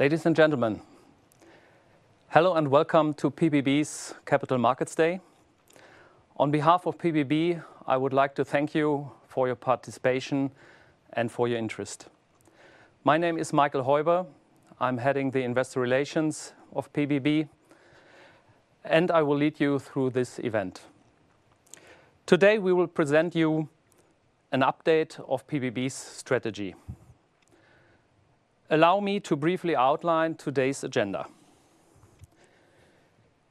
Ladies and gentlemen, hello, and welcome to pbb's Capital Markets Day. On behalf of pbb, I would like to thank you for your participation and for your interest. My name is Michael Heuber. I'm heading the Investor Relations of pbb, and I will lead you through this event. Today, we will present you an update of pbb's strategy. Allow me to briefly outline today's agenda.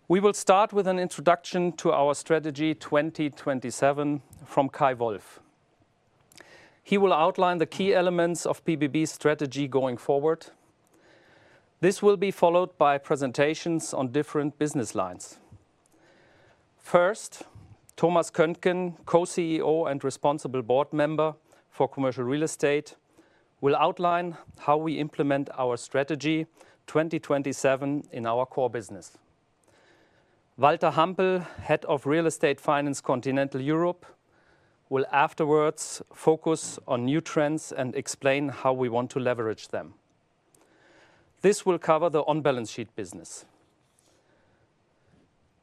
We will start with an introduction to our Strategy 2027 from Kay Wolf. He will outline the key elements of pbb's strategy going forward. This will be followed by presentations on different business lines. First, Thomas Köntgen, co-CEO and responsible board member for Commercial Real Estate, will outline how we implement our Strategy 2027 in our core business. Walter Hampel, Head of Real Estate Finance Continental Europe, will afterwards focus on new trends and explain how we want to leverage them. This will cover the on-balance-sheet business.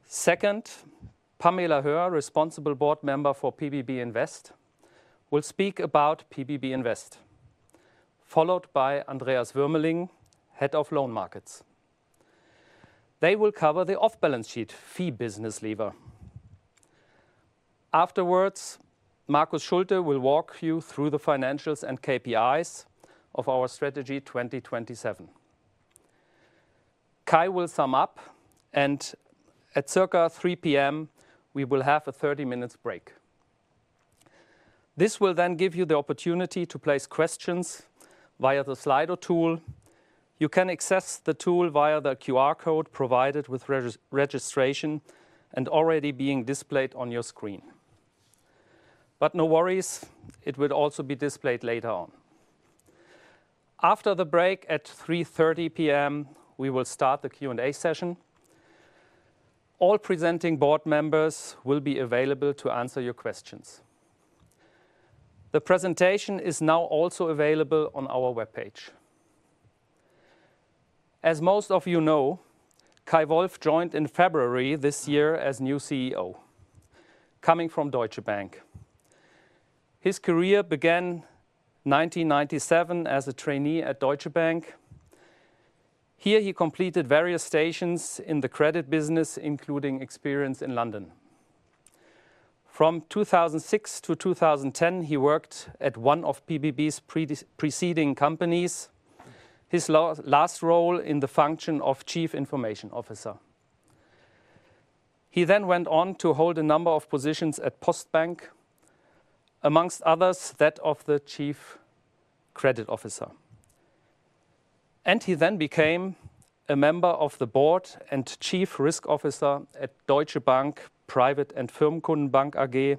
Second, Pamela Höhr, responsible board member for pbb Invest, will speak about pbb Invest, followed by Andreas Würmeling, head of Loan Markets. They will cover the off-balance-sheet fee business lever. Afterwards, Marcus Schulte will walk you through the financials and KPIs of our Strategy 2027. Kay will sum up, and at circa 3:00 P.M., we will have a thirty-minute break. This will then give you the opportunity to place questions via the Slido tool. You can access the tool via the QR code provided with registration and already being displayed on your screen. But no worries, it will also be displayed later on. After the break, at 3:30 P.M., we will start the Q&A session. All presenting board members will be available to answer your questions. The presentation is now also available on our webpage. As most of you know, Kay Wolf joined in February this year as new CEO, coming from Deutsche Bank. His career began nineteen ninety-seven as a trainee at Deutsche Bank. Here, he completed various stations in the credit business, including experience in London. From 2006 to 2010, he worked at one of pbb's preceding companies, his last role in the function of chief information officer. He then went on to hold a number of positions at Postbank, among others, that of the chief credit officer. He then became a member of the board and chief risk officer at Deutsche Bank, Privat- und Firmenkundenbank AG.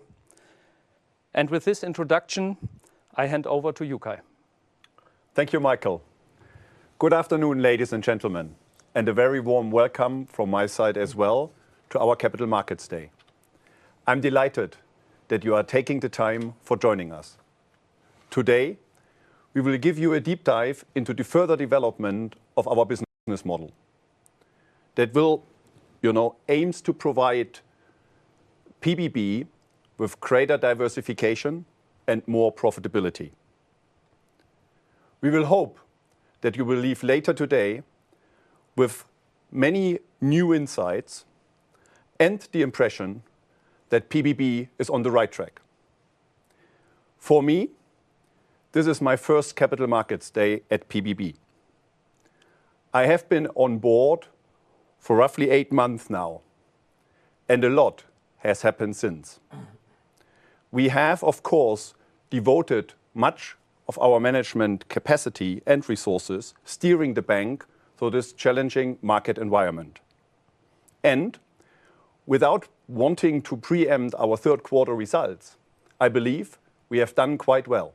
With this introduction, I hand over to you, Kay. Thank you, Michael. Good afternoon, ladies and gentlemen, and a very warm welcome from my side as well to our Capital Markets Day. I'm delighted that you are taking the time for joining us. Today, we will give you a deep dive into the further development of our business model that will, you know, aims to provide pbb with greater diversification and more profitability. We will hope that you will leave later today with many new insights and the impression that pbb is on the right track. For me, this is my first Capital Markets Day at pbb. I have been on board for roughly eight months now, and a lot has happened since. We have, of course, devoted much of our management capacity and resources steering the bank through this challenging market environment, and without wanting to preempt our Q3 results, I believe we have done quite well.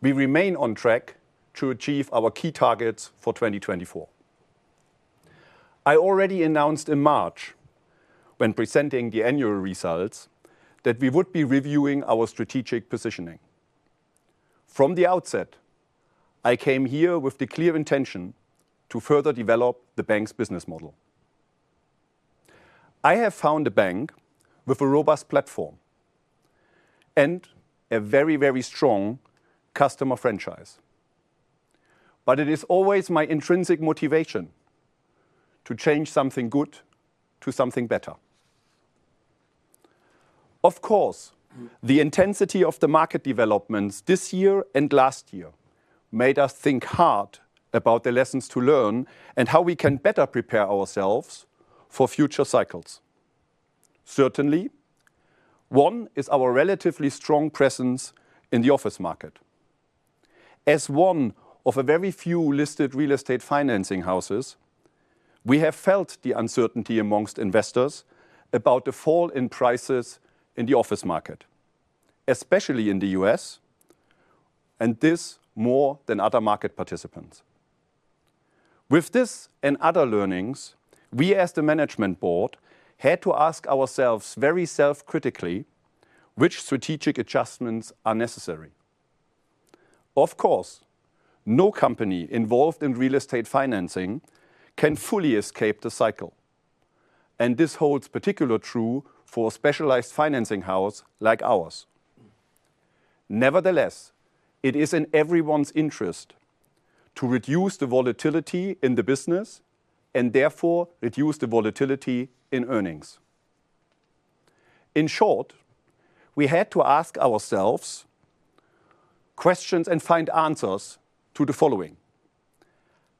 We remain on track to achieve our key targets for 2024. I already announced in March, when presenting the annual results, that we would be reviewing our strategic positioning. From the outset, I came here with the clear intention to further develop the bank's business model. I have found a bank with a robust platform and a very, very strong customer franchise, but it is always my intrinsic motivation to change something good to something better. Of course, the intensity of the market developments this year and last year made us think hard about the lessons to learn and how we can better prepare ourselves for future cycles. Certainly, one is our relatively strong presence in the office market. As one of a very few listed real estate financing houses, we have felt the uncertainty among investors about the fall in prices in the office market, especially in the U.S., and this more than other market participants. With this and other learnings, we as the management board had to ask ourselves very self-critically which strategic adjustments are necessary. Of course, no company involved in real estate financing can fully escape the cycle, and this holds particularly true for a specialized financing house like ours. Nevertheless, it is in everyone's interest to reduce the volatility in the business and therefore reduce the volatility in earnings. In short, we had to ask ourselves questions and find answers to the following: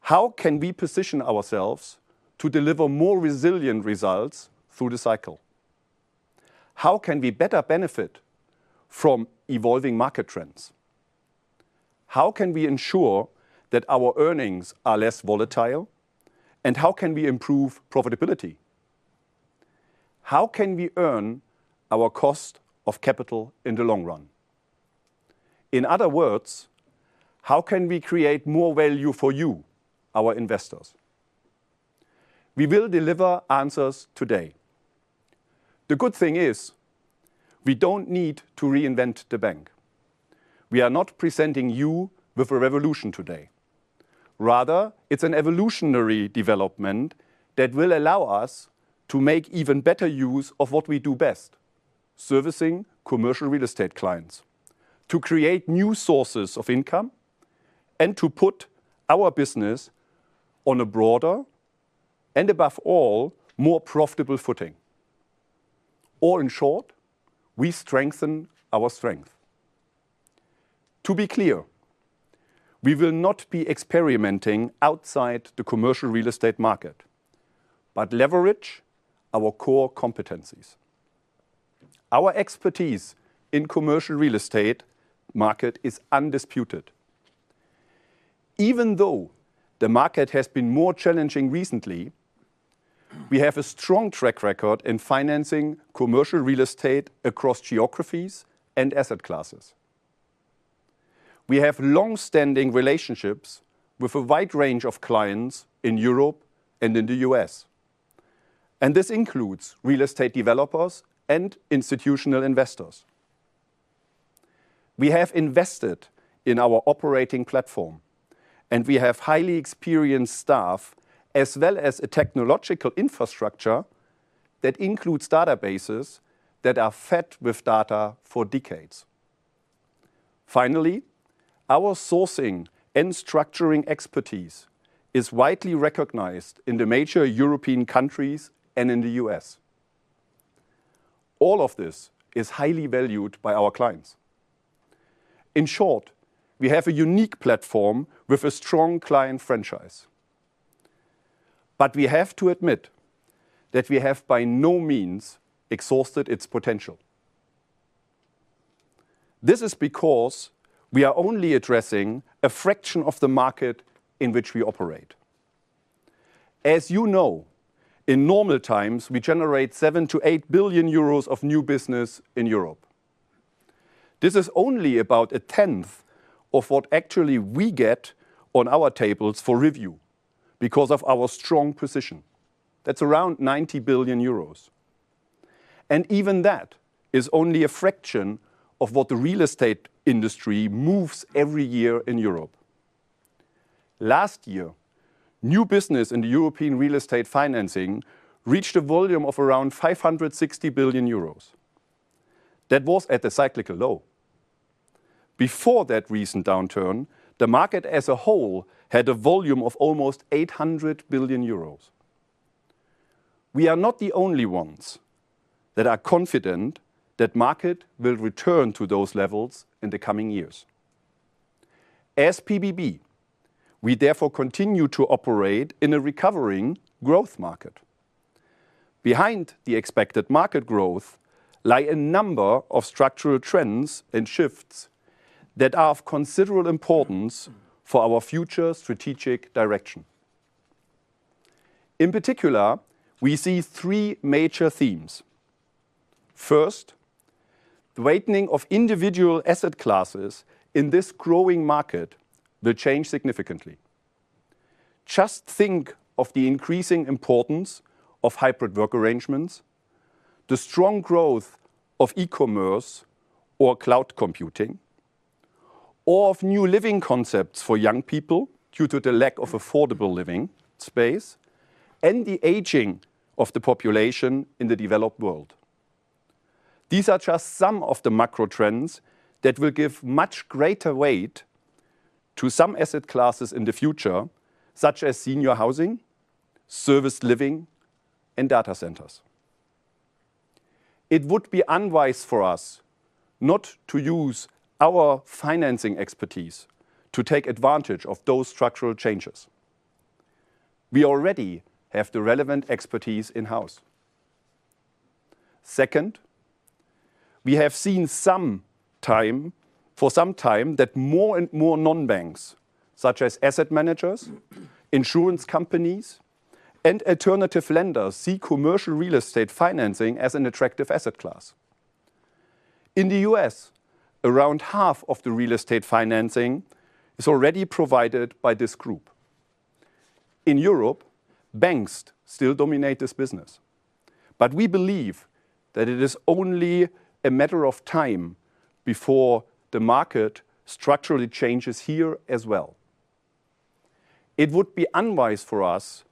How can we position ourselves to deliver more resilient results through the cycle? How can we better benefit from evolving market trends? How can we ensure that our earnings are less volatile, and how can we improve profitability? How can we earn our cost of capital in the long run? In other words, how can we create more value for you, our investors? We will deliver answers today. The good thing is, we don't need to reinvent the bank. We are not presenting you with a revolution today. Rather, it's an evolutionary development that will allow us to make even better use of what we do best: servicing commercial real estate clients, to create new sources of income, and to put our business on a broader and, above all, more profitable footing. Or in short, we strengthen our strength. To be clear, we will not be experimenting outside the commercial real estate market, but leverage our core competencies. Our expertise in commercial real estate market is undisputed. Even though the market has been more challenging recently, we have a strong track record in financing commercial real estate across geographies and asset classes. We have long-standing relationships with a wide range of clients in Europe and in the U.S., and this includes real estate developers and institutional investors. We have invested in our operating platform, and we have highly experienced staff, as well as a technological infrastructure that includes databases that are fed with data for decades. Finally, our sourcing and structuring expertise is widely recognized in the major European countries and in the U.S. All of this is highly valued by our clients. In short, we have a unique platform with a strong client franchise, but we have to admit that we have by no means exhausted its potential. This is because we are only addressing a fraction of the market in which we operate. As you know, in normal times, we generate 7 billion to 8 billion of new business in Europe. This is only about a tenth of what actually we get on our tables for review because of our strong position. That's around 90 billion euros, and even that is only a fraction of what the real estate industry moves every year in Europe. Last year, new business in the European real estate financing reached a volume of around 560 billion euros. That was at the cyclical low. Before that recent downturn, the market as a whole had a volume of almost 800 billion euros. We are not the only ones that are confident that market will return to those levels in the coming years. As pbb, we therefore continue to operate in a recovering growth market. Behind the expected market growth lie a number of structural trends and shifts that are of considerable importance for our future strategic direction. In particular, we see three major themes. First, the weighting of individual asset classes in this growing market will change significantly. Just think of the increasing importance of hybrid work arrangements, the strong growth of e-commerce or cloud computing, or of new living concepts for young people due to the lack of affordable living space, and the aging of the population in the developed world. These are just some of the macro trends that will give much greater weight to some asset classes in the future, such as senior housing, serviced living, and data centers. It would be unwise for us not to use our financing expertise to take advantage of those structural changes. We already have the relevant expertise in-house. Second, we have seen for some time that more and more non-banks, such as asset managers, insurance companies, and alternative lenders, see commercial real estate financing as an attractive asset class. In the U.S., around half of the real estate financing is already provided by this group. In Europe, banks still dominate this business, but we believe that it is only a matter of time before the market structurally changes here as well. It would be unwise for us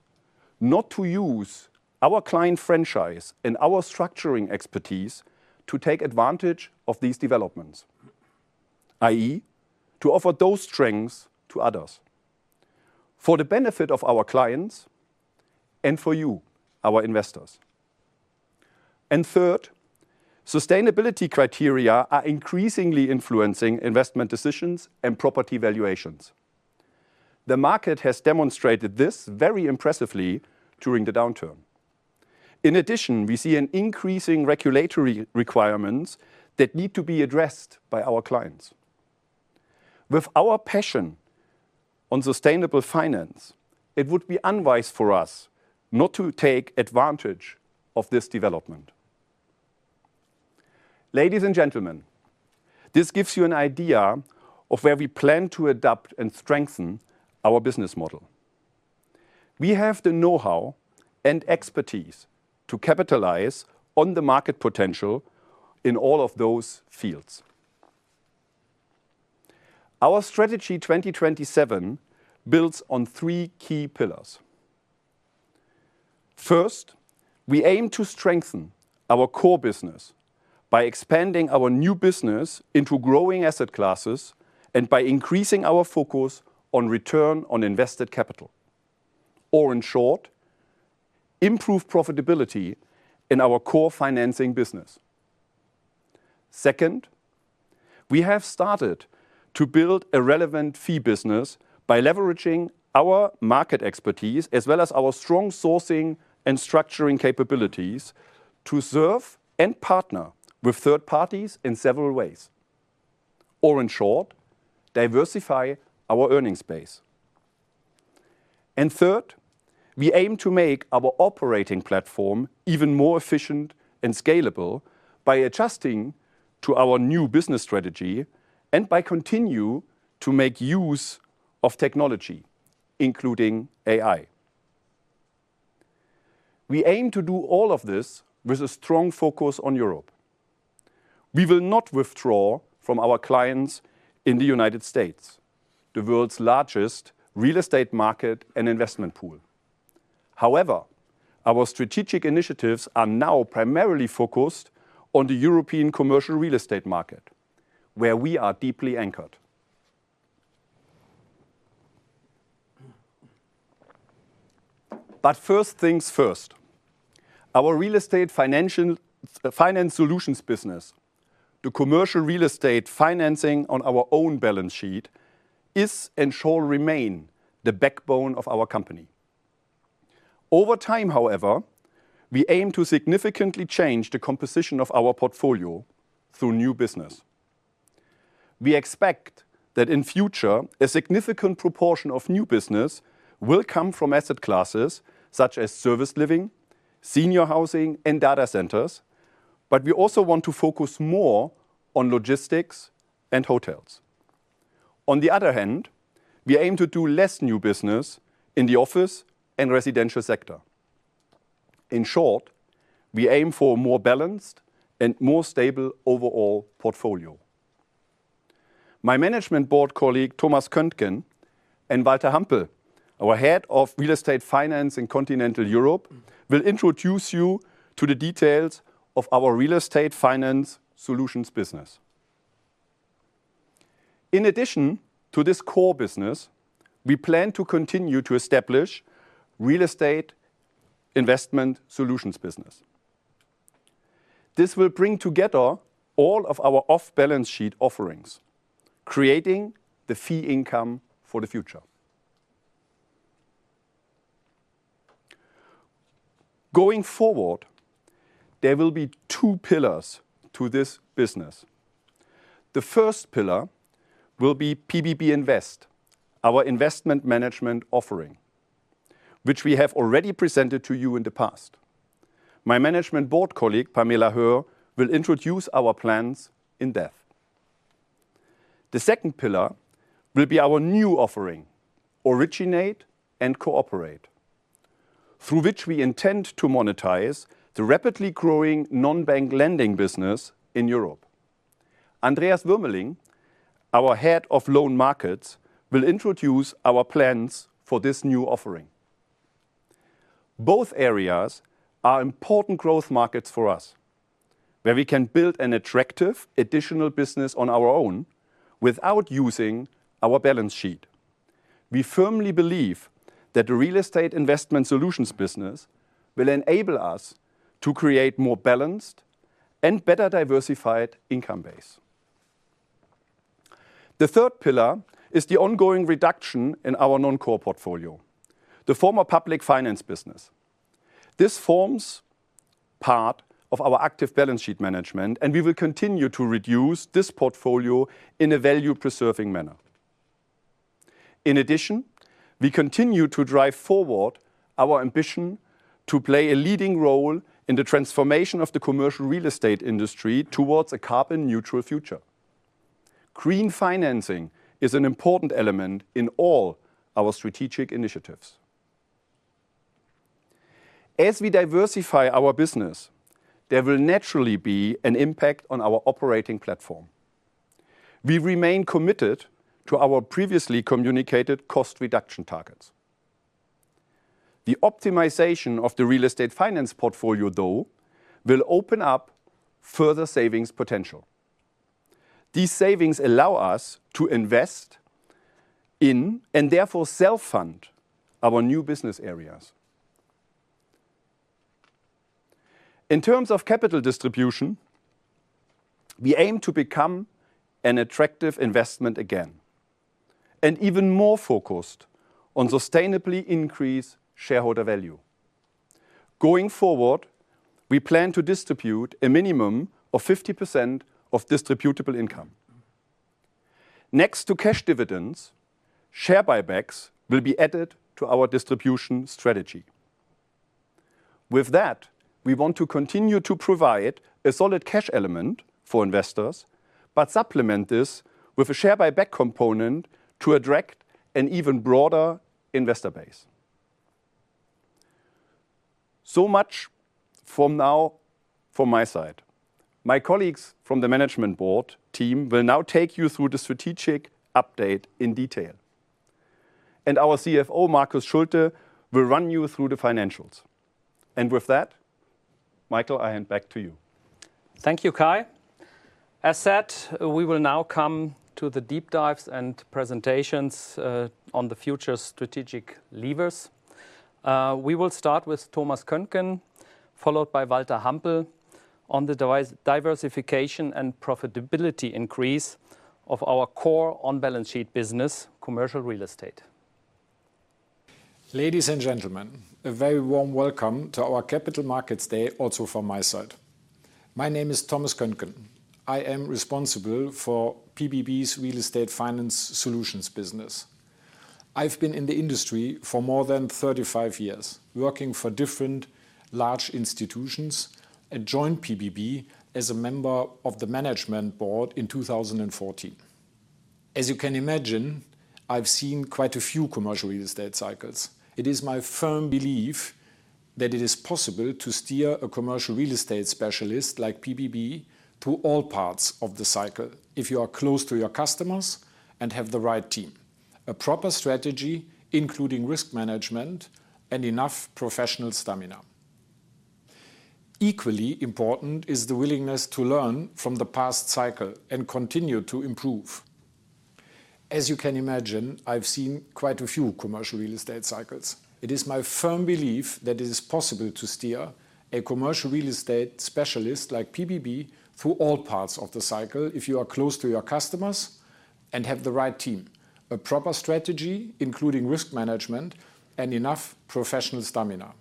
not to use our client franchise and our structuring expertise to take advantage of these developments, i.e., to offer those strengths to others for the benefit of our clients and for you, our investors. And third, sustainability criteria are increasingly influencing investment decisions and property valuations. The market has demonstrated this very impressively during the downturn. In addition, we see increasing regulatory requirements that need to be addressed by our clients. With our passion for sustainable finance, it would be unwise for us not to take advantage of this development. Ladies and gentlemen, this gives you an idea of where we plan to adapt and strengthen our business model. We have the know-how and expertise to capitalize on the market potential in all of those fields. Our Strategy 2027 builds on three key pillars. First, we aim to strengthen our core business by expanding our new business into growing asset classes and by increasing our focus on return on invested capital, or in short, improve profitability in our core financing business. Second, we have started to build a relevant fee business by leveraging our market expertise, as well as our strong sourcing and structuring capabilities to serve and partner with third parties in several ways, or in short, diversify our earnings base. And third, we aim to make our operating platform even more efficient and scalable by adjusting to our new business strategy and by continue to make use of technology, including AI. We aim to do all of this with a strong focus on Europe. We will not withdraw from our clients in the United States, the world's largest real estate market and investment pool. However, our strategic initiatives are now primarily focused on the European commercial real estate market, where we are deeply anchored. But first things first. Our Real Estate Finance Solutions business, the commercial real estate financing on our own balance sheet, is and shall remain the backbone of our company. Over time, however, we aim to significantly change the composition of our portfolio through new business. We expect that in future, a significant proportion of new business will come from asset classes such as serviced living, senior housing, and data centers, but we also want to focus more on logistics and hotels. On the other hand, we aim to do less new business in the office and residential sector. In short, we aim for a more balanced and more stable overall portfolio. My management board colleague, Thomas Köntgen and Walter Hampel, our head of Real Estate Finance in Continental Europe, will introduce you to the details of our Real Estate Finance Solutions business. In addition to this core business, we plan to continue to establish Real Estate Investment Solutions business. This will bring together all of our off-balance sheet offerings, creating the fee income for the future. Going forward, there will be two pillars to this business. The first pillar will be pbb Invest, our investment management offering, which we have already presented to you in the past. My management board colleague, Pamela Höhr, will introduce our plans in depth. The second pillar will be our new offering, Originate and Cooperate, through which we intend to monetize the rapidly growing non-bank lending business in Europe. Andreas Würmeling, our head of loan markets, will introduce our plans for this new offering. Both areas are important growth markets for us, where we can build an attractive additional business on our own without using our balance sheet. We firmly believe that the real estate investment solutions business will enable us to create more balanced and better diversified income base. The third pillar is the ongoing reduction in our non-core portfolio, the former public finance business. This forms part of our active balance sheet management, and we will continue to reduce this portfolio in a value-preserving manner. In addition, we continue to drive forward our ambition to play a leading role in the transformation of the commercial real estate industry towards a carbon-neutral future. Green financing is an important element in all our strategic initiatives. As we diversify our business, there will naturally be an impact on our operating platform. We remain committed to our previously communicated cost reduction targets. The optimization of the real estate finance portfolio, though, will open up further savings potential. These savings allow us to invest in, and therefore self-fund, our new business areas. In terms of capital distribution, we aim to become an attractive investment again, and even more focused on sustainably increase shareholder value. Going forward, we plan to distribute a minimum of 50% of distributable income. Next to cash dividends, share buybacks will be added to our distribution strategy. With that, we want to continue to provide a solid cash element for investors, but supplement this with a share buyback component to attract an even broader investor base. So much for now from my side. My colleagues from the management board team will now take you through the strategic update in detail, and our CFO, Marcus Schulte, will run you through the financials. And with that, Michael, I hand back to you. Thank you, Kay. As said, we will now come to the deep dives and presentations on the future strategic levers. We will start with Thomas Köntgen, followed by Walter Hampel, on the diversification and profitability increase of our core on-balance-sheet business, commercial real estate. Ladies and gentlemen, a very warm welcome to our Capital Markets Day, also from my side. My name is Thomas Köntgen. I am responsible for PBB's Real Estate Finance Solutions business. I've been in the industry for more than 35 years, working for different large institutions, and joined PBB as a member of the management board in 2014. As you can imagine, I've seen quite a few commercial real estate cycles. It is my firm belief that it is possible to steer a commercial real estate specialist, like PBB, through all parts of the cycle if you are close to your customers and have the right team, a proper strategy, including risk management, and enough professional stamina. Equally important is the willingness to learn from the past cycle and continue to improve. As you can imagine, I've seen quite a few commercial real estate cycles. It is my firm belief that it is possible to steer a commercial real estate specialist, like PBB, through all parts of the cycle if you are close to your customers and have the right team, a proper strategy, including risk management, and enough professional stamina.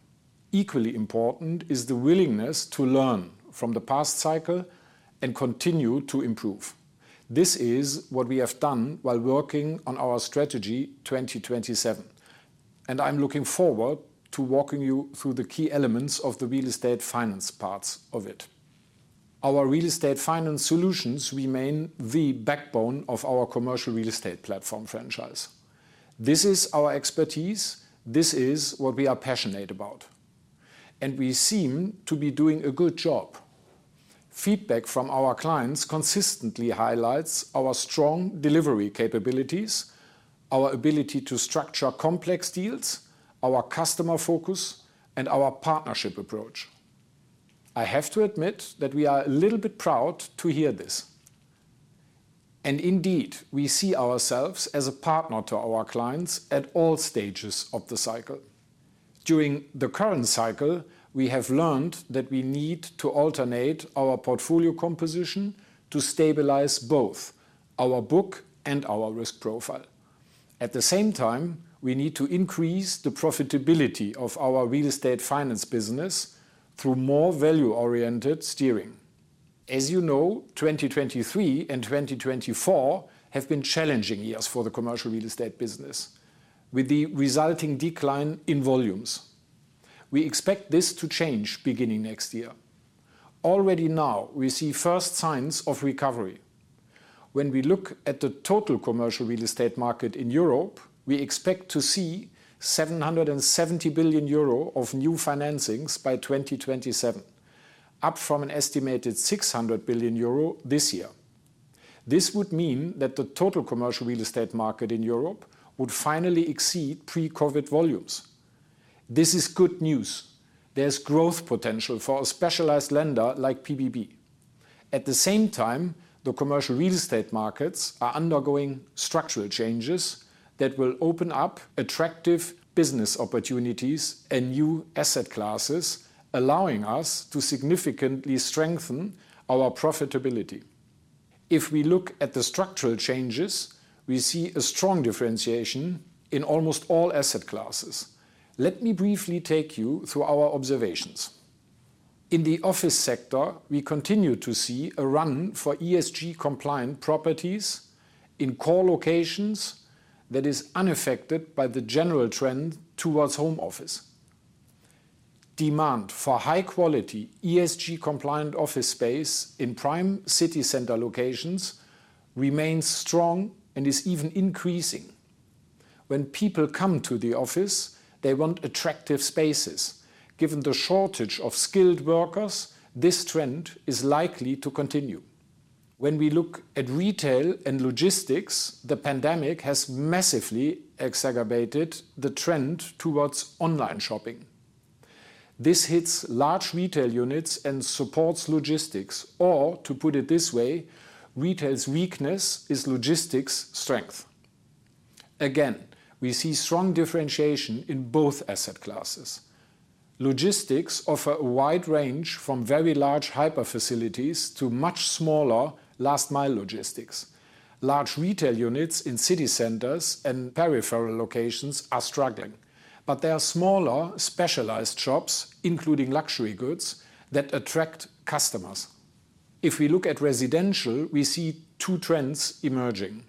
Equally important is the willingness to learn from the past cycle and continue to improve. This is what we have done while working on our Strategy 2027, and I'm looking forward to walking you through the key elements of the real estate finance parts of it. Our Real Estate Finance Solutions remain the backbone of our commercial real estate platform franchise. This is our expertise. This is what we are passionate about, and we seem to be doing a good job. Feedback from our clients consistently highlights our strong delivery capabilities, our ability to structure complex deals, our customer focus, and our partnership approach. I have to admit that we are a little bit proud to hear this, and indeed, we see ourselves as a partner to our clients at all stages of the cycle. During the current cycle, we have learned that we need to alternate our portfolio composition to stabilize both our book and our risk profile. At the same time, we need to increase the profitability of our real estate finance business through more value-oriented steering. As you know, 2023 and 2024 have been challenging years for the commercial real estate business, with the resulting decline in volumes. We expect this to change beginning next year. Already now, we see first signs of recovery. When we look at the total commercial real estate market in Europe, we expect to see 770 billion euro of new financings by 2027, up from an estimated 600 billion euro this year. This would mean that the total commercial real estate market in Europe would finally exceed pre-COVID volumes. This is good news. There's growth potential for a specialized lender like pbb. At the same time, the commercial real estate markets are undergoing structural changes that will open up attractive business opportunities and new asset classes, allowing us to significantly strengthen our profitability. If we look at the structural changes, we see a strong differentiation in almost all asset classes. Let me briefly take you through our observations. In the office sector, we continue to see a run for ESG-compliant properties in core locations that is unaffected by the general trend towards home office. Demand for high-quality, ESG-compliant office space in prime city center locations remains strong and is even increasing. When people come to the office, they want attractive spaces. Given the shortage of skilled workers, this trend is likely to continue. When we look at retail and logistics, the pandemic has massively exacerbated the trend towards online shopping. This hits large retail units and supports logistics, or, to put it this way, retail's weakness is logistics' strength. Again, we see strong differentiation in both asset classes. Logistics offer a wide range from very large hyper facilities to much smaller last-mile logistics. Large retail units in city centers and peripheral locations are struggling, but there are smaller, specialized shops, including luxury goods, that attract customers. If we look at residential, we see two trends emerging.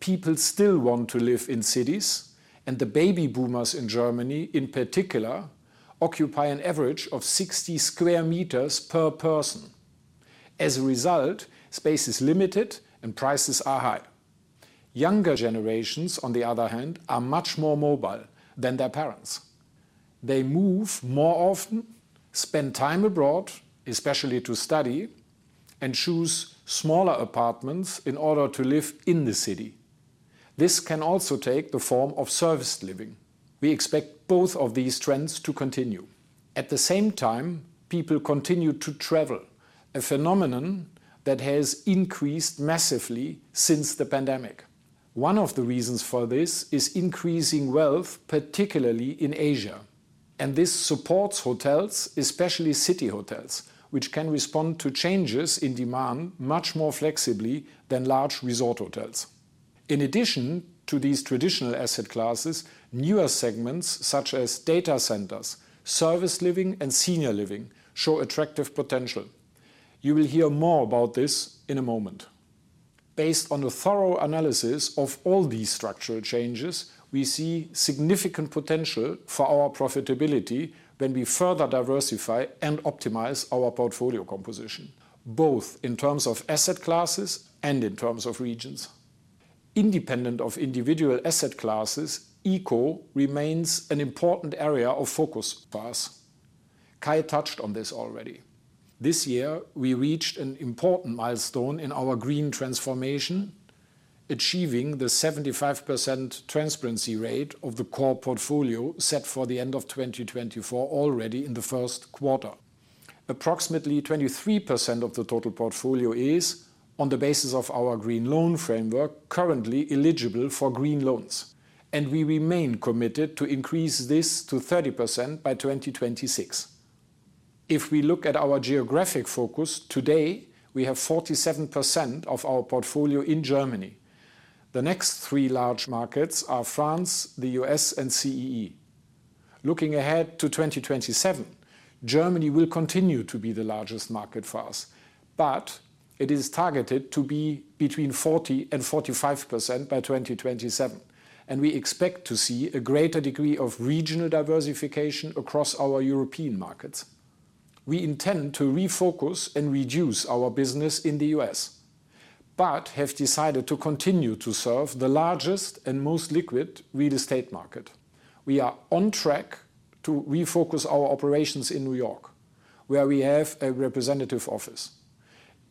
People still want to live in cities, and the baby boomers in Germany, in particular, occupy an average of 60 square meters per person. As a result, space is limited and prices are high. Younger generations, on the other hand, are much more mobile than their parents. They move more often, spend time abroad, especially to study, and choose smaller apartments in order to live in the city. This can also take the form of serviced living. We expect both of these trends to continue. At the same time, people continue to travel, a phenomenon that has increased massively since the pandemic. One of the reasons for this is increasing wealth, particularly in Asia, and this supports hotels, especially city hotels, which can respond to changes in demand much more flexibly than large resort hotels. In addition to these traditional asset classes, newer segments such as data centers, serviced living, and senior living show attractive potential. You will hear more about this in a moment. Based on a thorough analysis of all these structural changes, we see significant potential for our profitability when we further diversify and optimize our portfolio composition, both in terms of asset classes and in terms of regions. Independent of individual asset classes, eco remains an important area of focus for us. Kay touched on this already. This year, we reached an important milestone in our green transformation, achieving the 75% transparency rate of the core portfolio set for the end of 2024, already in the Q1. Approximately 23% of the total portfolio is, on the basis of our green loan framework, currently eligible for green loans, and we remain committed to increase this to 30% by 2026. If we look at our geographic focus, today, we have 47% of our portfolio in Germany. The next three large markets are France, the U.S., and CEE. Looking ahead to 2027, Germany will continue to be the largest market for us, but it is targeted to be between 40% and 45% by 2027, and we expect to see a greater degree of regional diversification across our European markets. We intend to refocus and reduce our business in the U.S., but have decided to continue to serve the largest and most liquid real estate market. We are on track to refocus our operations in New York, where we have a representative office.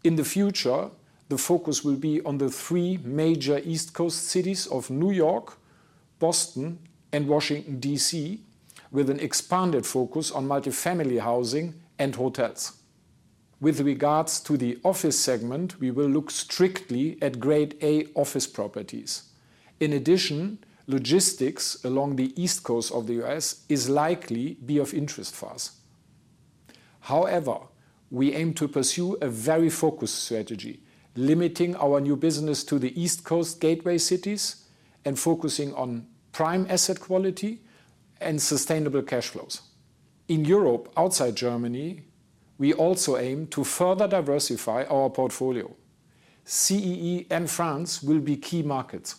In the future, the focus will be on the three major East Coast cities of New York, Boston, and Washington, D.C., with an expanded focus on multifamily housing and hotels. With regards to the office segment, we will look strictly at Grade A office properties. In addition, logistics along the East Coast of the U.S. is likely to be of interest for us. However, we aim to pursue a very focused strategy, limiting our new business to the East Coast gateway cities and focusing on prime asset quality and sustainable cash flows. In Europe, outside Germany, we also aim to further diversify our portfolio. CEE and France will be key markets.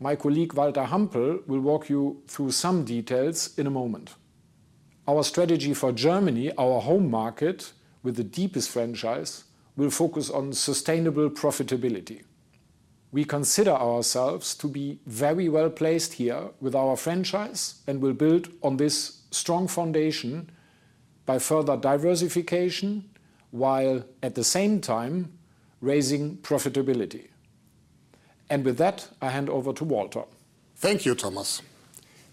My colleague, Walter Hampel, will walk you through some details in a moment. Our strategy for Germany, our home market, with the deepest franchise, will focus on sustainable profitability. We consider ourselves to be very well placed here with our franchise and will build on this strong foundation by further diversification, while at the same time raising profitability, and with that, I hand over to Walter. Thank you, Thomas.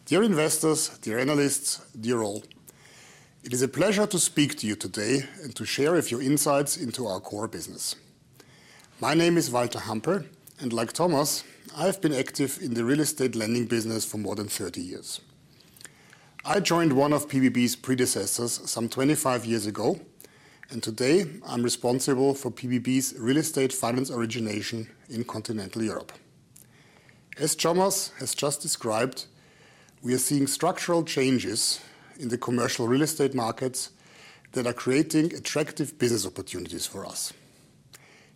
Dear investors, dear analysts, dear all, it is a pleasure to speak to you today and to share a few insights into our core business. My name is Walter Hampel, and like Thomas, I have been active in the real estate lending business for more than thirty years. I joined one of PBB's predecessors some 25 years ago, and today, I'm responsible for PBB's real estate finance origination in continental Europe. As Thomas has just described, we are seeing structural changes in the commercial real estate markets that are creating attractive business opportunities for us.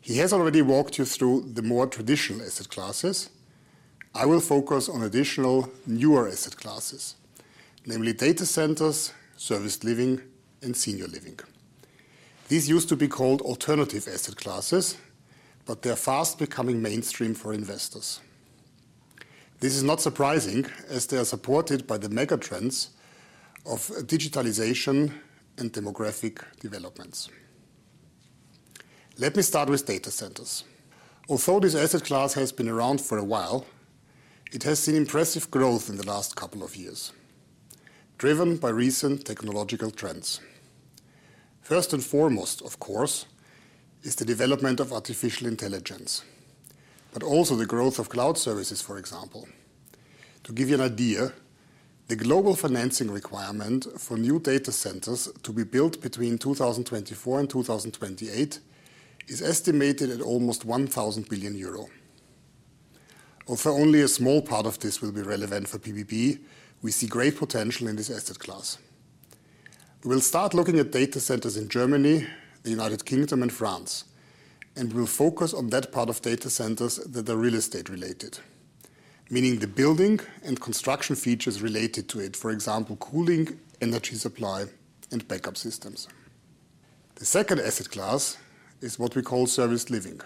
He has already walked you through the more traditional asset classes. I will focus on additional newer asset classes, namely data centers, serviced living, and senior living. These used to be called alternative asset classes, but they're fast becoming mainstream for investors. This is not surprising, as they are supported by the mega trends of digitalization and demographic developments. Let me start with data centers. Although this asset class has been around for a while, it has seen impressive growth in the last couple of years, driven by recent technological trends. First and foremost, of course, is the development of artificial intelligence, but also the growth of cloud services, for example. To give you an idea, the global financing requirement for new data centers to be built between 2024 and 2028 is estimated at almost 1,000 billion euro. Although only a small part of this will be relevant for PBB, we see great potential in this asset class. We'll start looking at data centers in Germany, the United Kingdom, and France, and we'll focus on that part of data centers that are real estate related, meaning the building and construction features related to it, for example, cooling, energy supply, and backup systems. The second asset class is what we call serviced living,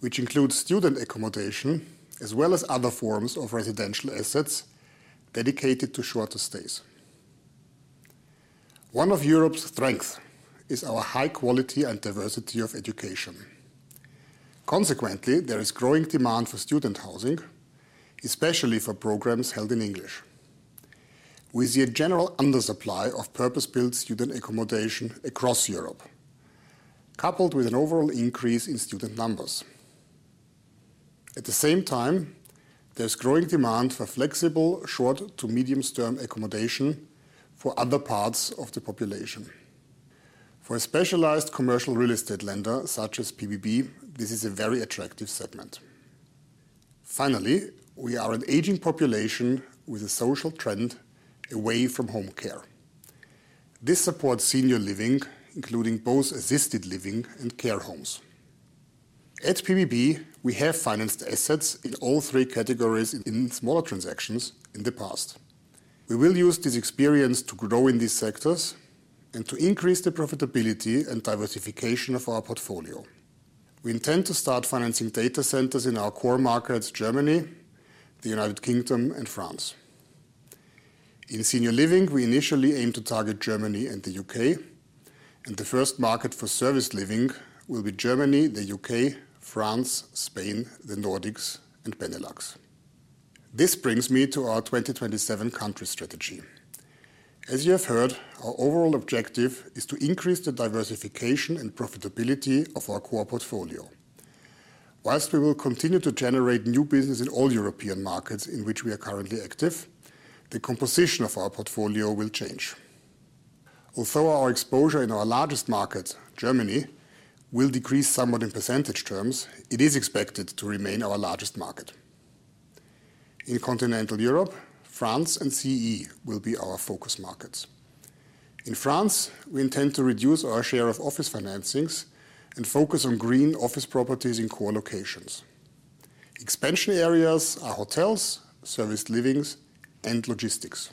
which includes student accommodation as well as other forms of residential assets dedicated to shorter stays. One of Europe's strength is our high quality and diversity of education. Consequently, there is growing demand for student housing, especially for programs held in English. We see a general undersupply of purpose-built student accommodation across Europe, coupled with an overall increase in student numbers. At the same time, there's growing demand for flexible, short to medium-term accommodation for other parts of the population. For a specialized commercial real estate lender such as pbb, this is a very attractive segment. Finally, we are an aging population with a social trend away from home care. This supports senior living, including both assisted living and care homes. At pbb, we have financed assets in all three categories in smaller transactions in the past. We will use this experience to grow in these sectors and to increase the profitability and diversification of our portfolio. We intend to start financing data centers in our core markets, Germany, the United Kingdom, and France. In senior living, we initially aim to target Germany and the U.K., and the first market for serviced living will be Germany, the U.K., France, Spain, the Nordics, and Benelux. This brings me to our Strategy 2027. As you have heard, our overall objective is to increase the diversification and profitability of our core portfolio. While we will continue to generate new business in all European markets in which we are currently active, the composition of our portfolio will change. Although our exposure in our largest market, Germany, will decrease somewhat in percentage terms, it is expected to remain our largest market. In continental Europe, France and CEE will be our focus markets. In France, we intend to reduce our share of office financings and focus on green office properties in core locations. Expansion areas are hotels, serviced living, and logistics.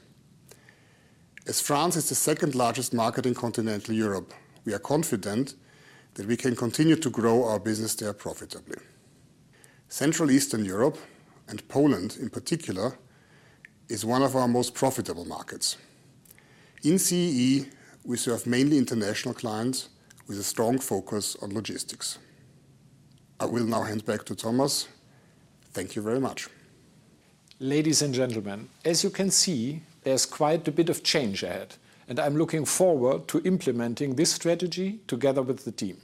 As France is the second largest market in continental Europe, we are confident that we can continue to grow our business there profitably. Central Eastern Europe, and Poland in particular, is one of our most profitable markets. In CEE, we serve mainly international clients with a strong focus on logistics. I will now hand back to Thomas. Thank you very much. Ladies and gentlemen, as you can see, there's quite a bit of change ahead, and I'm looking forward to implementing this strategy together with the team.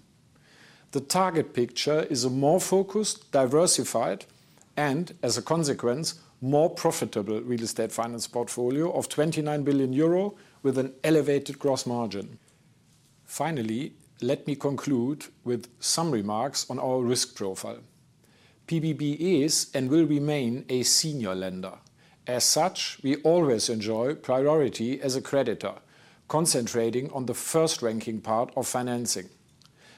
The target picture is a more focused, diversified, and, as a consequence, more profitable real estate finance portfolio of 29 billion euro with an elevated gross margin. Finally, let me conclude with some remarks on our risk profile. PBB is, and will remain, a senior lender. As such, we always enjoy priority as a creditor, concentrating on the first-ranking part of financing.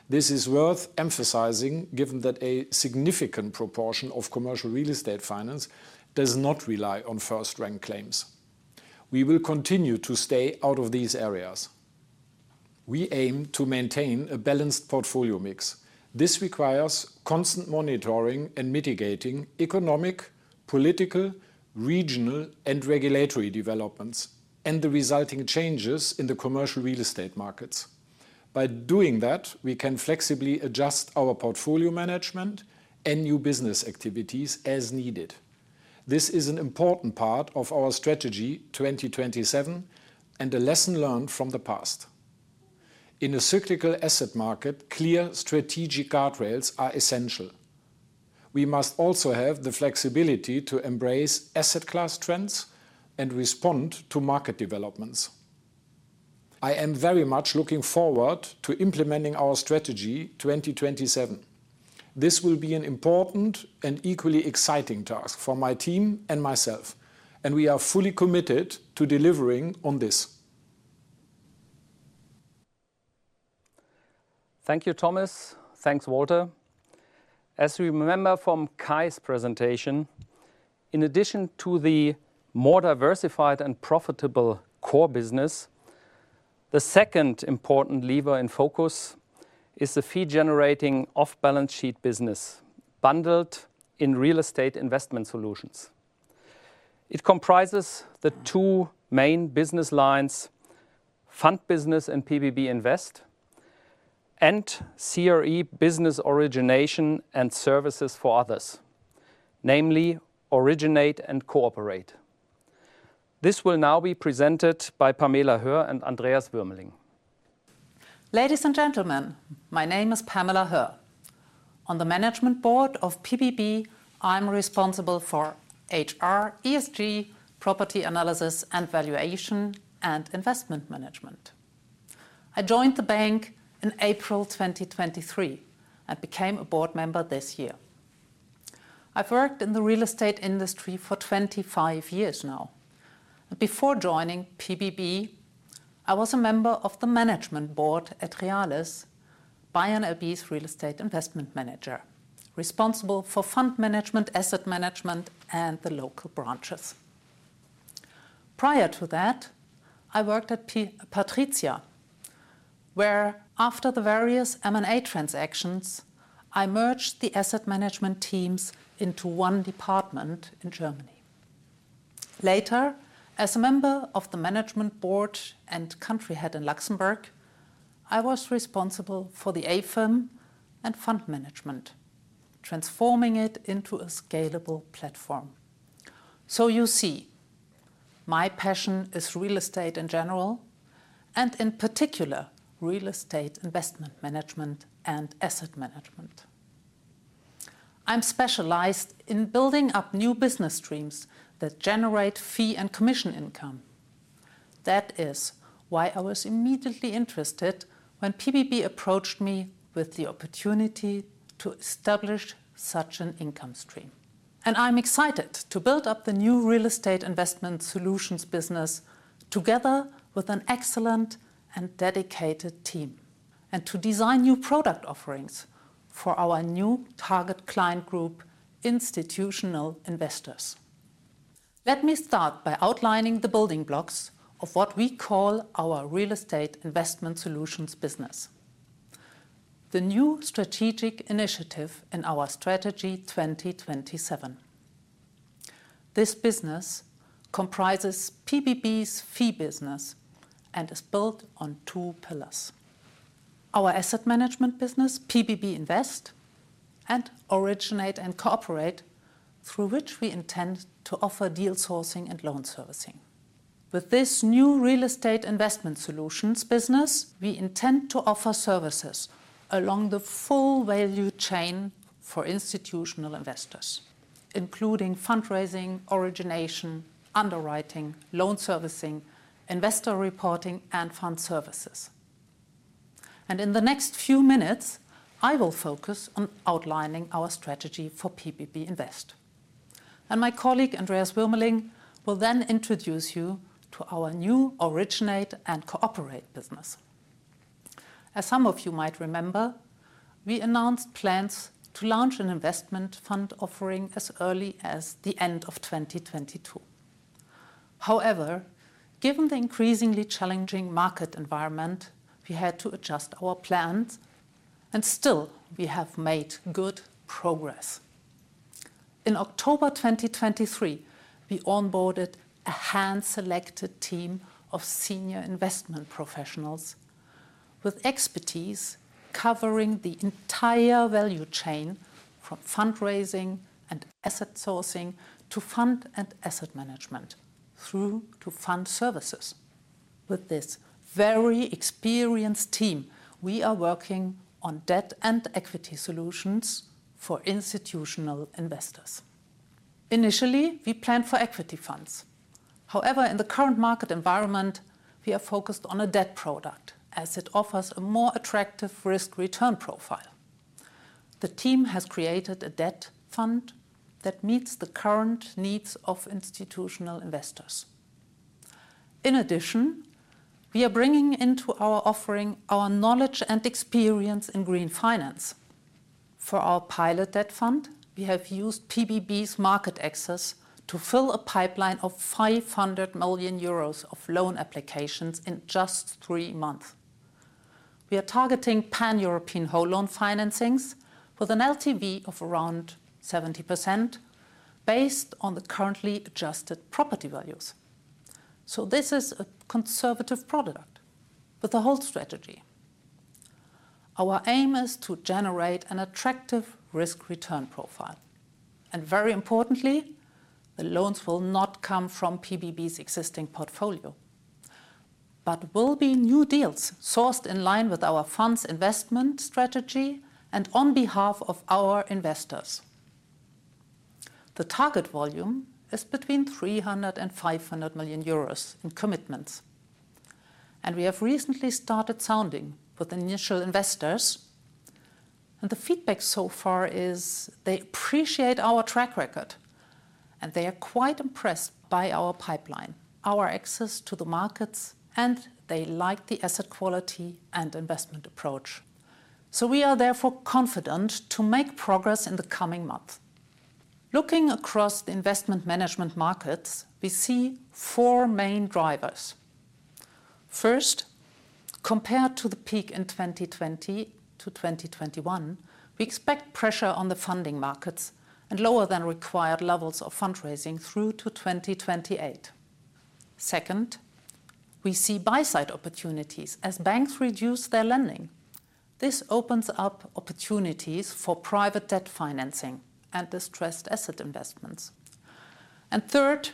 This is worth emphasizing, given that a significant proportion of commercial real estate finance does not rely on first-rank claims. We will continue to stay out of these areas. We aim to maintain a balanced portfolio mix. This requires constant monitoring and mitigating economic, political, regional, and regulatory developments, and the resulting changes in the commercial real estate markets. By doing that, we can flexibly adjust our portfolio management and new business activities as needed. This is an important part of our Strategy 2027, and a lesson learned from the past. In a cyclical asset market, clear strategic guardrails are essential. We must also have the flexibility to embrace asset class trends and respond to market developments. I am very much looking forward to implementing our Strategy 2027. This will be an important and equally exciting task for my team and myself, and we are fully committed to delivering on this. Thank you, Thomas. Thanks, Walter. As we remember from Kay's presentation, in addition to the more diversified and profitable core business, the second important lever and focus is the fee-generating off-balance-sheet business, bundled in real estate investment solutions. It comprises the two main business lines: fund business and pbb Invest, and CRE business origination and services for others, namely Originate & Cooperate. This will now be presented by Pamela Höhr and Andreas Würmeling. Ladies and gentlemen, my name is Pamela Höhr. On the management board of pbb, I'm responsible for HR, ESG, property analysis and valuation, and investment management. I joined the bank in April 2023 and became a board member this year. I've worked in the real estate industry for 25 years now. Before joining pbb, I was a member of the management board at Real I.S., BayernLB's real estate investment manager, responsible for fund management, asset management, and the local branches. Prior to that, I worked at Patrizia, where, after the various M&A transactions, I merged the asset management teams into one department in Germany. Later, as a member of the management board and country head in Luxembourg, I was responsible for the AIFM and fund management, transforming it into a scalable platform. So you see, my passion is real estate in general, and in particular, real estate investment management and asset management. I'm specialized in building up new business streams that generate fee and commission income. That is why I was immediately interested when pbb approached me with the opportunity to establish such an income stream. And I'm excited to build up the new real estate investment solutions business together with an excellent and dedicated team, and to design new product offerings for our new target client group, institutional investors. Let me start by outlining the building blocks of what we call our real estate investment solutions business, the new strategic initiative in our Strategy 2027. This business comprises pbb's fee business and is built on two pillars: our asset management business, pbb Invest, and Originate & Cooperate, through which we intend to offer deal sourcing and loan servicing. With this new real estate investment solutions business, we intend to offer services along the full value chain for institutional investors, including fundraising, origination, underwriting, loan servicing, investor reporting, and fund services. And in the next few minutes, I will focus on outlining our strategy for pbb Invest, and my colleague, Andreas Würmeling, will then introduce you to our new Originate & Cooperate business. As some of you might remember, we announced plans to launch an investment fund offering as early as the end of 2022. However, given the increasingly challenging market environment, we had to adjust our plans, and still, we have made good progress. In October 2023, we onboarded a hand-selected team of senior investment professionals with expertise covering the entire value chain, from fundraising and asset sourcing to fund and asset management through to fund services. With this very experienced team, we are working on debt and equity solutions for institutional investors. Initially, we planned for equity funds. However, in the current market environment, we are focused on a debt product, as it offers a more attractive risk-return profile. The team has created a debt fund that meets the current needs of institutional investors. In addition, we are bringing into our offering our knowledge and experience in green finance. For our pilot debt fund, we have used pbb's market access to fill a pipeline of 500 million euros of loan applications in just three months. We are targeting pan-European whole loan financings with an LTV of around 70% based on the currently adjusted property values. So this is a conservative product with a whole strategy. Our aim is to generate an attractive risk-return profile, and very importantly, the loans will not come from pbb's existing portfolio, but will be new deals sourced in line with our fund's investment strategy and on behalf of our investors. The target volume is between 300 million euros and 500 million euros in commitments. And we have recently started sounding with initial investors, and the feedback so far is they appreciate our track record, and they are quite impressed by our pipeline, our access to the markets, and they like the asset quality and investment approach. So we are therefore confident to make progress in the coming months. Looking across the investment management markets, we see four main drivers. First, compared to the peak in 2020 to 2021, we expect pressure on the funding markets and lower than required levels of fundraising through to 2028. Second, we see buy-side opportunities as banks reduce their lending. This opens up opportunities for private debt financing and distressed asset investments. Third,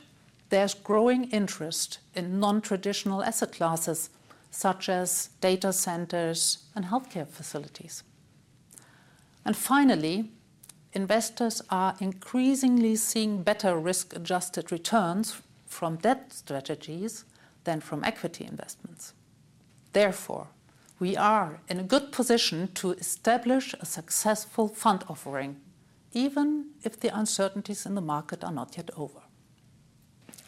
there's growing interest in non-traditional asset classes, such as data centers and healthcare facilities. Finally, investors are increasingly seeing better risk-adjusted returns from debt strategies than from equity investments. Therefore, we are in a good position to establish a successful fund offering, even if the uncertainties in the market are not yet over.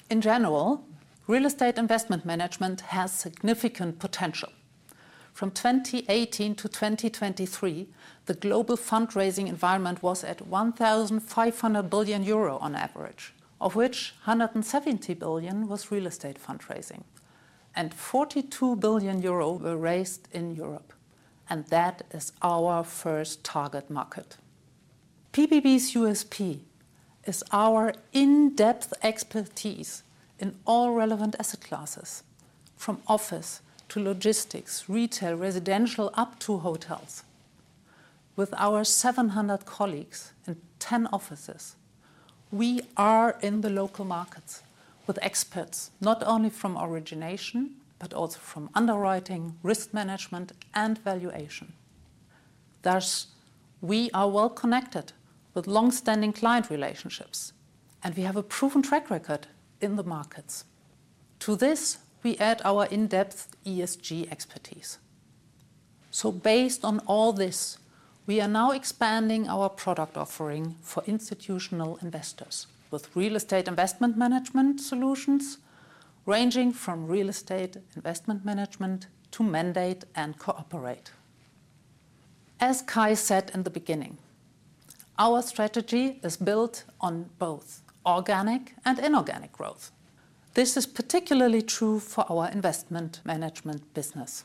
In general, real estate investment management has significant potential. From 2018 to 2023, the global fundraising environment was at 1,500 billion euro on average, of which 170 billion was real estate fundraising, and 42 billion euro were raised in Europe, and that is our first target market. PBB's U.S.P is our in-depth expertise in all relevant asset classes, from office to logistics, retail, residential, up to hotels. With our 700 colleagues in 10 offices, we are in the local markets with experts, not only from origination, but also from underwriting, risk management, and valuation. Thus, we are well connected with long-standing client relationships, and we have a proven track record in the markets. To this, we add our in-depth ESG expertise. So based on all this, we are now expanding our product offering for institutional investors with real estate investment management solutions, ranging from real estate investment management to originate and cooperate. As Kay said in the beginning, our strategy is built on both organic and inorganic growth. This is particularly true for our investment management business.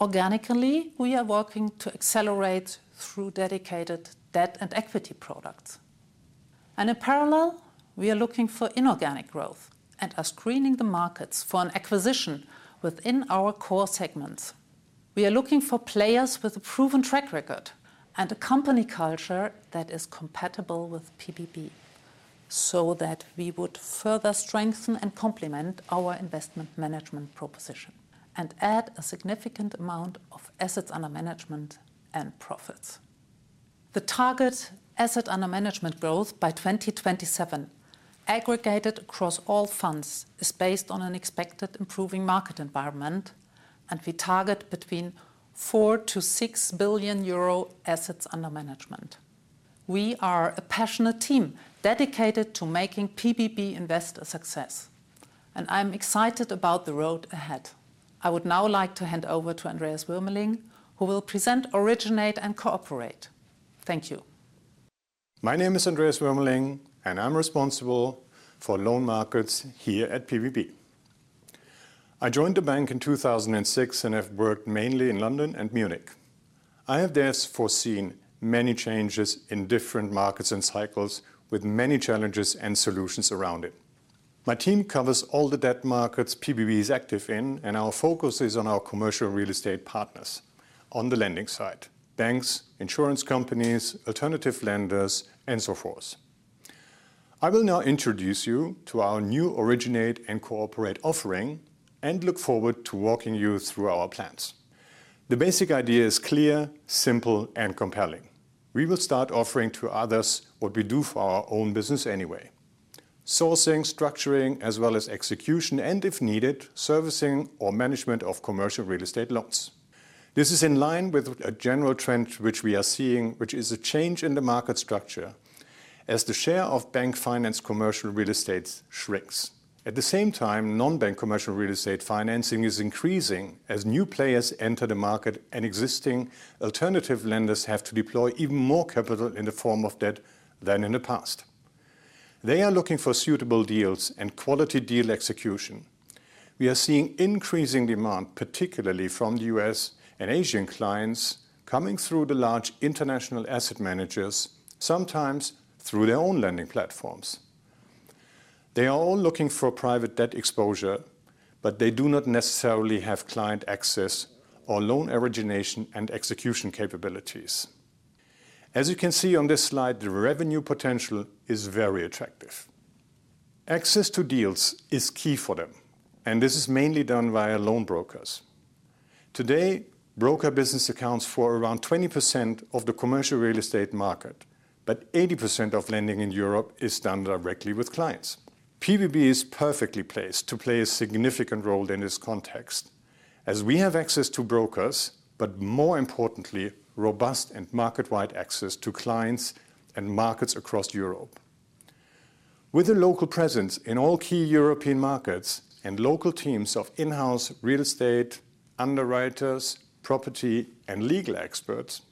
Organically, we are working to accelerate through dedicated debt and equity products. In parallel, we are looking for inorganic growth and are screening the markets for an acquisition within our core segments. We are looking for players with a proven track record and a company culture that is compatible with pbb, so that we would further strengthen and complement our investment management proposition and add a significant amount of assets under management and profits. The target assets under management growth by 2027, aggregated across all funds, is based on an expected improving market environment, and we target between 4 billion and 6 billion assets under management. We are a passionate team dedicated to making pbb Invest a success, and I'm excited about the road ahead. I would now like to hand over to Andreas Würmeling, who will present Originate & Cooperate. Thank you. My name is Andreas Würmeling, and I'm responsible for loan markets here at PBB. I joined the bank in 2006 and have worked mainly in London and Munich. I have thus foreseen many changes in different markets and cycles, with many challenges and solutions around it. My team covers all the debt markets PBB is active in, and our focus is on our commercial real estate partners on the lending side: banks, insurance companies, alternative lenders, and so forth. I will now introduce you to our new Originate and Cooperate offering and look forward to walking you through our plans. The basic idea is clear, simple, and compelling. We will start offering to others what we do for our own business anyway: sourcing, structuring, as well as execution, and if needed, servicing or management of commercial real estate loans. This is in line with a general trend which we are seeing, which is a change in the market structure as the share of bank-financed commercial real estate shrinks. At the same time, non-bank commercial real estate financing is increasing as new players enter the market and existing alternative lenders have to deploy even more capital in the form of debt than in the past. They are looking for suitable deals and quality deal execution. We are seeing increasing demand, particularly from the U.S. and Asian clients, coming through the large international asset managers, sometimes through their own lending platforms. They are all looking for private debt exposure, but they do not necessarily have client access or loan origination and execution capabilities. As you can see on this slide, the revenue potential is very attractive. Access to deals is key for them, and this is mainly done via loan brokers. Today, broker business accounts for around 20% of the commercial real estate market, but 80% of lending in Europe is done directly with clients. pbb is perfectly placed to play a significant role in this context, as we have access to brokers, but more importantly, robust and market-wide access to clients and markets across Europe. With a local presence in all key European markets and local teams of in-house real estate underwriters, property, and legal experts,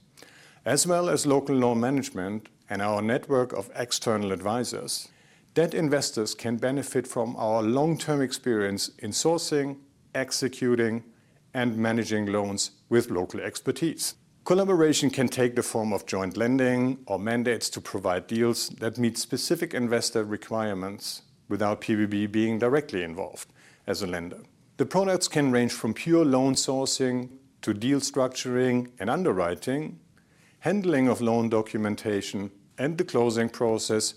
as well as local loan management and our network of external advisors, debt investors can benefit from our long-term experience in sourcing, executing, and managing loans with local expertise. Collaboration can take the form of joint lending or mandates to provide deals that meet specific investor requirements without pbb being directly involved as a lender. The products can range from pure loan sourcing to deal structuring and underwriting, handling of loan documentation, and the closing process,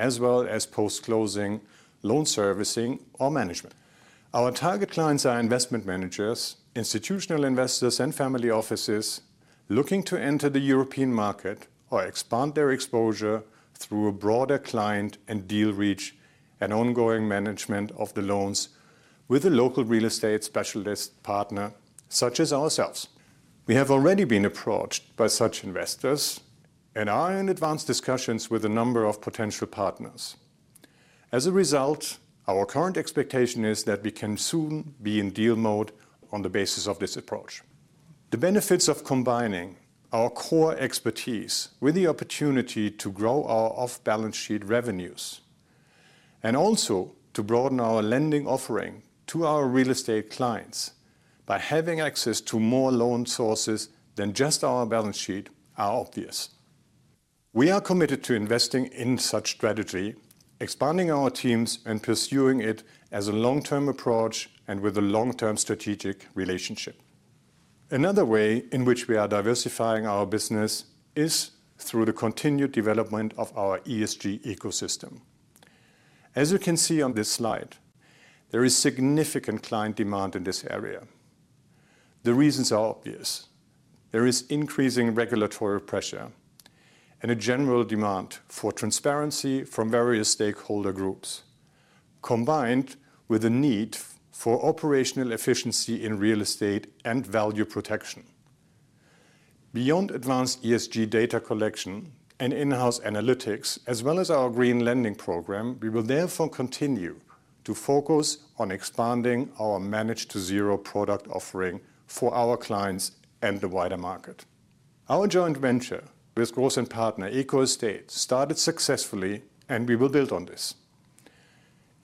as well as post-closing loan servicing or management. Our target clients are investment managers, institutional investors, and family offices looking to enter the European market or expand their exposure through a broader client and deal reach and ongoing management of the loans with a local real estate specialist partner, such as ourselves. We have already been approached by such investors and are in advanced discussions with a number of potential partners. As a result, our current expectation is that we can soon be in deal mode on the basis of this approach. The benefits of combining our core expertise with the opportunity to grow our off-balance sheet revenues, and also to broaden our lending offering to our real estate clients by having access to more loan sources than just our balance sheet, are obvious. We are committed to investing in such strategy, expanding our teams, and pursuing it as a long-term approach and with a long-term strategic relationship. Another way in which we are diversifying our business is through the continued development of our ESG ecosystem. As you can see on this slide, there is significant client demand in this area. The reasons are obvious. There is increasing regulatory pressure and a general demand for transparency from various stakeholder groups, combined with the need for operational efficiency in real estate and value protection. Beyond advanced ESG data collection and in-house analytics, as well as our green lending program, we will therefore continue to focus on expanding our Manage to Zero product offering for our clients and the wider market. Our joint venture with Groß & Partner, Eco Estate, started successfully, and we will build on this.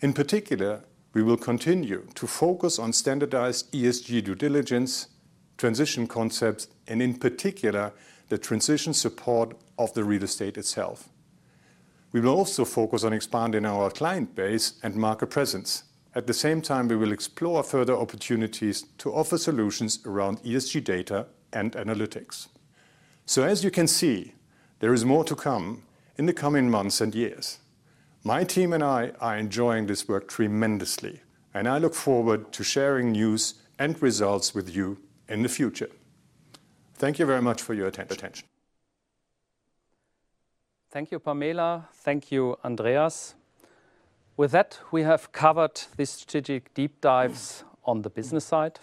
In particular, we will continue to focus on standardized ESG due diligence, transition concepts, and in particular, the transition support of the real estate itself. We will also focus on expanding our client base and market presence. At the same time, we will explore further opportunities to offer solutions around ESG data and analytics. So as you can see, there is more to come in the coming months and years. My team and I are enjoying this work tremendously, and I look forward to sharing news and results with you in the future. Thank you very much for your attention. Thank you, Pamela. Thank you, Andreas. With that, we have covered the strategic deep dives on the business side.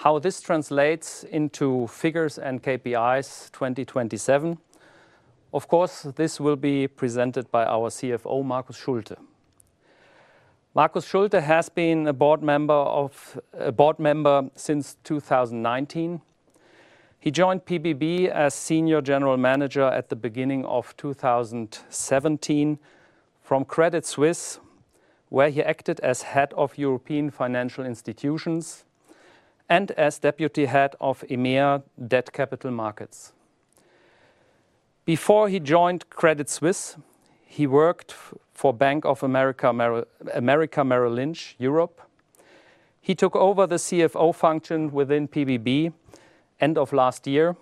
How this translates into figures and KPIs 2027, of course, this will be presented by our CFO, Marcus Schulte. Marcus Schulte has been a board member since 2019. He joined PBB as senior general manager at the beginning of 2017 from Credit Suisse, where he acted as head of European financial institutions and as deputy head of EMEA Debt Capital Markets. Before he joined Credit Suisse, he worked for Bank of America Merrill Lynch, Europe. He took over the CFO function within PBB end of last year,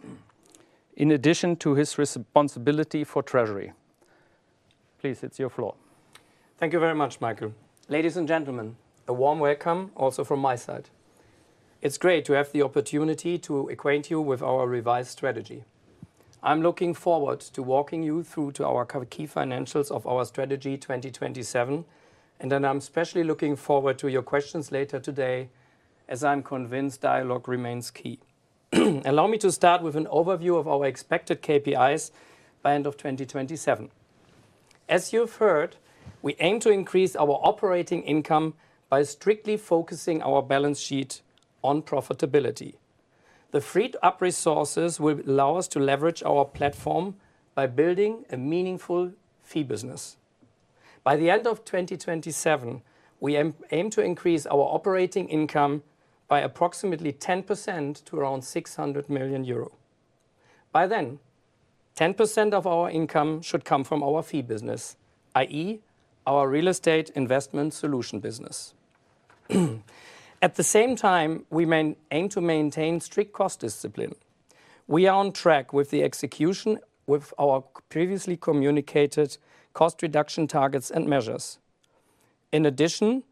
in addition to his responsibility for Treasury. Please, it's your floor. Thank you very much, Michael. Ladies and gentlemen, a warm welcome also from my side. It's great to have the opportunity to acquaint you with our revised strategy. I'm looking forward to walking you through to our key financials of our strategy 2027, and then I'm especially looking forward to your questions later today, as I'm convinced dialogue remains key. Allow me to start with an overview of our expected KPIs by end of 2027 As you've heard, we aim to increase our operating income by strictly focusing our balance sheet on profitability. The freed-up resources will allow us to leverage our platform by building a meaningful fee business. By the end of twenty twenty-seven, we aim to increase our operating income by approximately 10% to around 600 million euro. By then, 10% of our income should come from our fee business, i.e., our real estate investment solution business. At the same time, we aim to maintain strict cost discipline. We are on track with the execution of our previously communicated cost reduction targets and measures. In addition,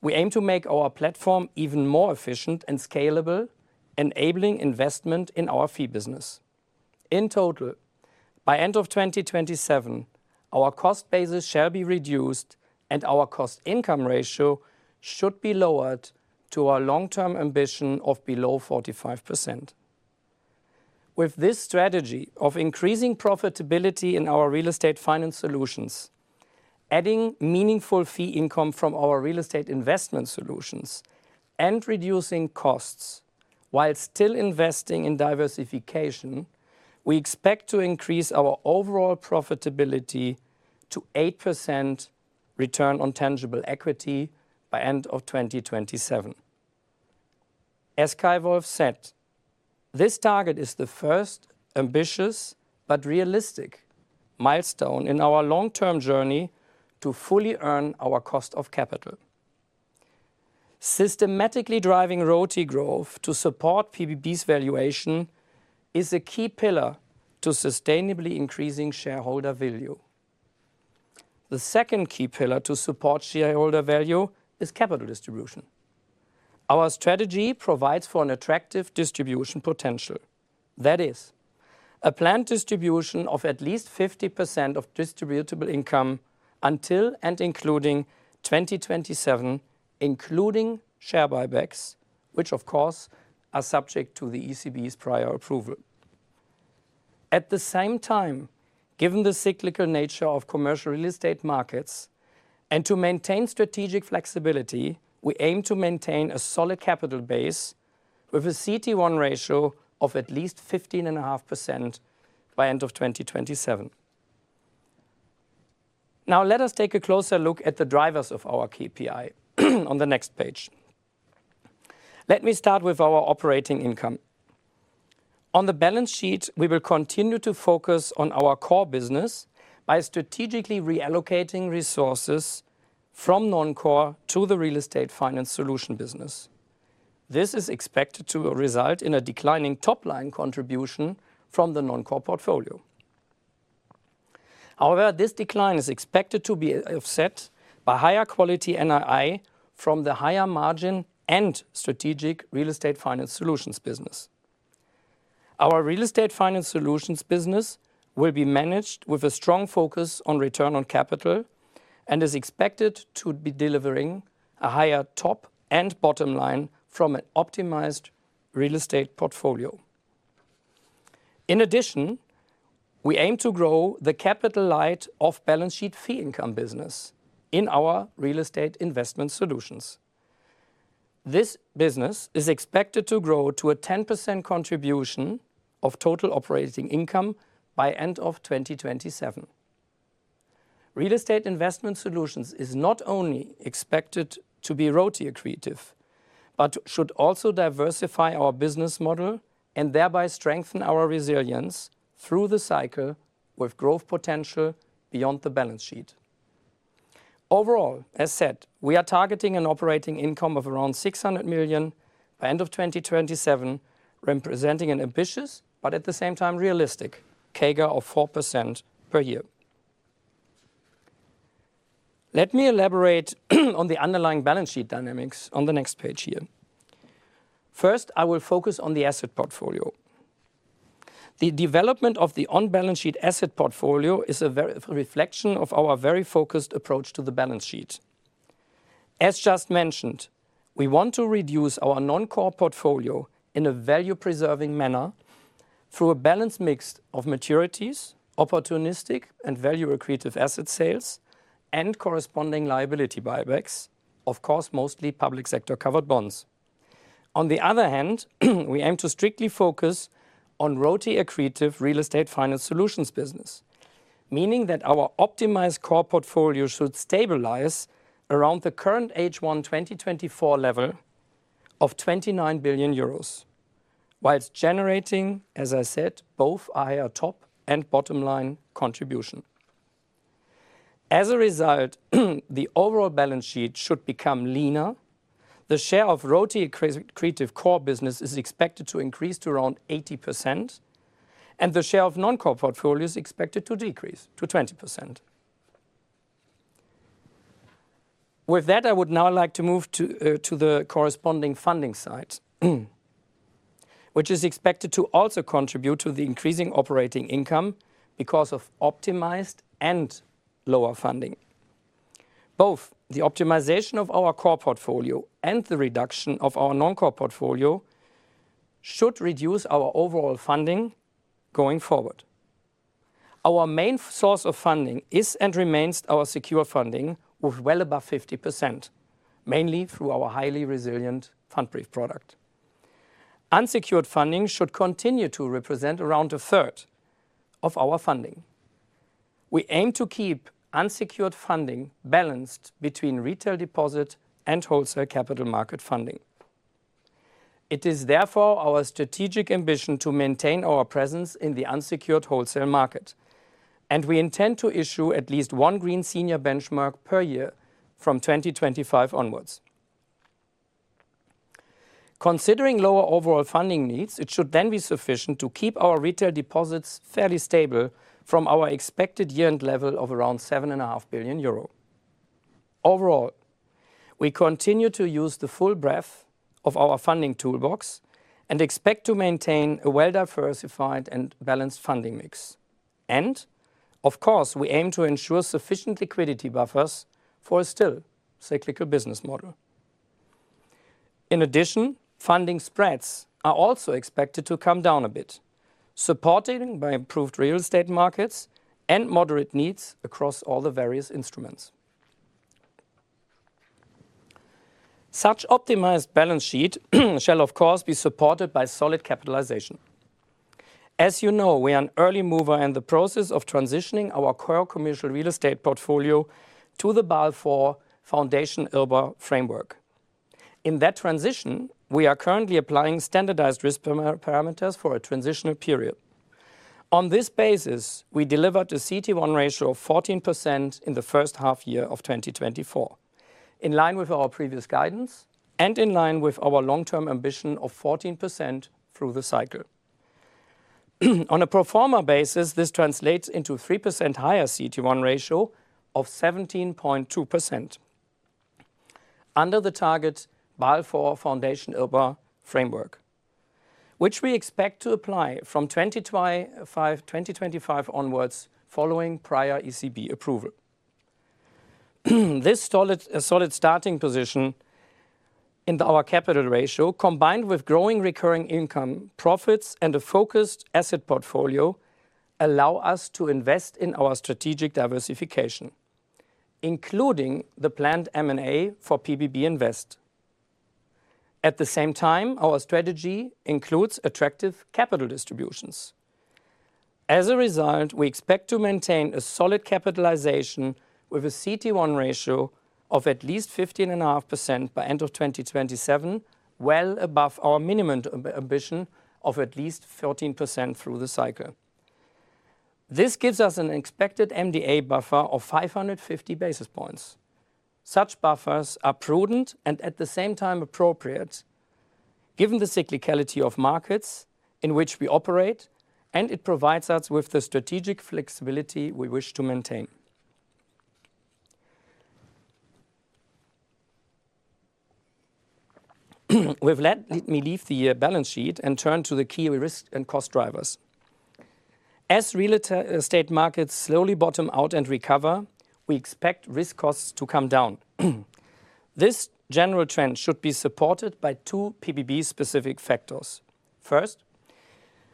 we aim to make our platform even more efficient and scalable, enabling investment in our fee business. In total, by end of 2027, our cost basis shall be reduced, and our cost-income ratio should be lowered to our long-term ambition of below 45%. With this strategy of increasing profitability in our Real Estate Finance Solutions, adding meaningful fee income from our real estate investment solutions and reducing costs while still investing in diversification, we expect to increase our overall profitability to 8% return on tangible equity by end of 2027 As Kay Wolf said, this target is the first ambitious but realistic milestone in our long-term journey to fully earn our cost of capital. Systematically driving ROTE growth to support pbb's valuation is a key pillar to sustainably increasing shareholder value. The second key pillar to support shareholder value is capital distribution. Our strategy provides for an attractive distribution potential. That is, a planned distribution of at least 50% of distributable income until and including 2027, including share buybacks, which of course, are subject to the ECB's prior approval. At the same time, given the cyclical nature of commercial real estate markets and to maintain strategic flexibility, we aim to maintain a solid capital base with a CET1 ratio of at least 15.5% by end of 2027. Now, let us take a closer look at the drivers of our KPI on the next page. Let me start with our operating income. On the balance sheet, we will continue to focus on our core business by strategically reallocating resources from non-core to the real estate finance solution business. This is expected to result in a declining top-line contribution from the non-core portfolio. However, this decline is expected to be offset by higher quality NII from the higher margin and strategic Real Estate Finance Solutions business. Our Real Estate Finance Solutions business will be managed with a strong focus on return on capital and is expected to be delivering a higher top and bottom line from an optimized real estate portfolio. In addition, we aim to grow the capital light off-balance sheet fee income business in our real estate investment solutions. This business is expected to grow to a 10% contribution of total operating income by end of 2027. Real Estate Investment Solutions is not only expected to be ROTE accretive, but should also diversify our business model and thereby strengthen our resilience through the cycle with growth potential beyond the balance sheet. Overall, as said, we are targeting an operating income of around 600 million by end of 2027, representing an ambitious, but at the same time realistic, CAGR of 4% per year. Let me elaborate on the underlying balance sheet dynamics on the next page here. First, I will focus on the asset portfolio. The development of the on-balance sheet asset portfolio is a very reflection of our very focused approach to the balance sheet. As just mentioned, we want to reduce our non-core portfolio in a value-preserving manner through a balanced mix of maturities, opportunistic and value accretive asset sales, and corresponding liability buybacks. Of course, mostly public sector covered bonds. On the other hand, we aim to strictly focus on ROTE accretive Real Estate Finance Solutions business. Meaning that our optimized core portfolio should stabilize around the current H1 2024 level of 29 billion euros, while generating, as I said, both higher top and bottom line contribution. As a result, the overall balance sheet should become leaner. The share of ROTE accretive core business is expected to increase to around 80%, and the share of non-core portfolio is expected to decrease to 20%. With that, I would now like to move to the corresponding funding side, which is expected to also contribute to the increasing operating income because of optimized and lower funding. Both the optimization of our core portfolio and the reduction of our non-core portfolio should reduce our overall funding going forward. Our main source of funding is and remains our secure funding of well above 50%, mainly through our highly resilient Pfandbrief product. Unsecured funding should continue to represent around a third of our funding. We aim to keep unsecured funding balanced between retail deposit and wholesale capital market funding. It is therefore our strategic ambition to maintain our presence in the unsecured wholesale market, and we intend to issue at least one green senior benchmark per year from twenty twenty-five onwards. Considering lower overall funding needs, it should then be sufficient to keep our retail deposits fairly stable from our expected year-end level of around 7.5 billion euro. Overall, we continue to use the full breadth of our funding toolbox and expect to maintain a well-diversified and balanced funding mix. And of course, we aim to ensure sufficient liquidity buffers for a still cyclical business model. In addition, funding spreads are also expected to come down a bit, supported by improved real estate markets and moderate needs across all the various instruments. Such optimized balance sheet shall of course be supported by solid capitalization. As you know, we are an early mover in the process of transitioning our core commercial real estate portfolio to the Basel IV Foundation IRBA framework. In that transition, we are currently applying standardized risk parameters for a transitional period. On this basis, we delivered a CET1 ratio of 14% in the first half year of 2024, in line with our previous guidance and in line with our long-term ambition of 14% through the cycle. On a pro forma basis, this translates into 3% higher CET1 ratio of 17.2% under the Target Basel IV Foundation IRBA framework, which we expect to apply from 2025 onwards, following prior ECB approval. This solid starting position in our capital ratio, combined with growing recurring income, profits, and a focused asset portfolio, allow us to invest in our strategic diversification, including the planned M&A for pbb Invest. At the same time, our strategy includes attractive capital distributions. As a result, we expect to maintain a solid capitalization with a CET1 ratio of at least 15.5% by end of 2027, well above our minimum ambition of at least 13% through the cycle. This gives us an expected MDA buffer of 550 basis points. Such buffers are prudent and at the same time appropriate, given the cyclicality of markets in which we operate, and it provides us with the strategic flexibility we wish to maintain. With that, let me leave the balance sheet and turn to the key risk and cost drivers. As real estate markets slowly bottom out and recover, we expect risk costs to come down. This general trend should be supported by two pbb-specific factors. First,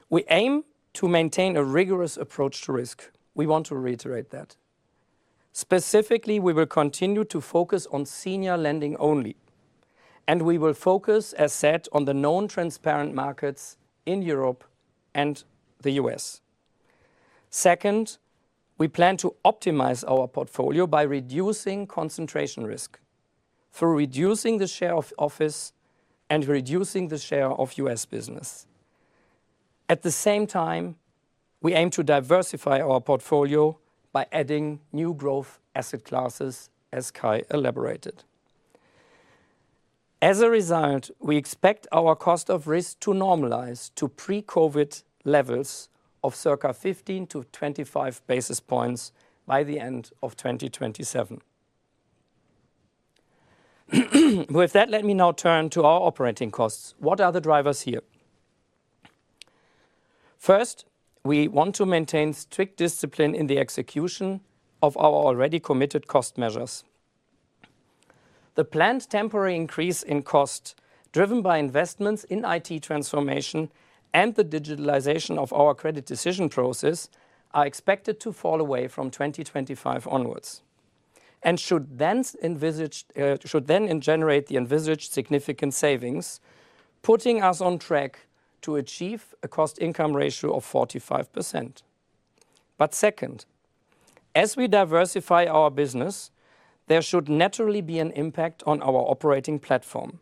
we aim to maintain a rigorous approach to risk. We want to reiterate that. Specifically, we will continue to focus on senior lending only, and we will focus, as said, on the known transparent markets in Europe and the U.S.. Second, we plan to optimize our portfolio by reducing concentration risk, through reducing the share of office and reducing the share of U.S. business. At the same time, we aim to diversify our portfolio by adding new growth asset classes, as Kay elaborated. As a result, we expect our cost of risk to normalize to pre-COVID levels of circa 15 to 25 basis points by the end of 2027. With that, let me now turn to our operating costs. What are the drivers here? First, we want to maintain strict discipline in the execution of our already committed cost measures. The planned temporary increase in cost, driven by investments in IT transformation and the digitalization of our credit decision process, are expected to fall away from 2025 onwards and should then generate the envisaged significant savings, putting us on track to achieve a cost-income ratio of 45%, but second, as we diversify our business, there should naturally be an impact on our operating platform.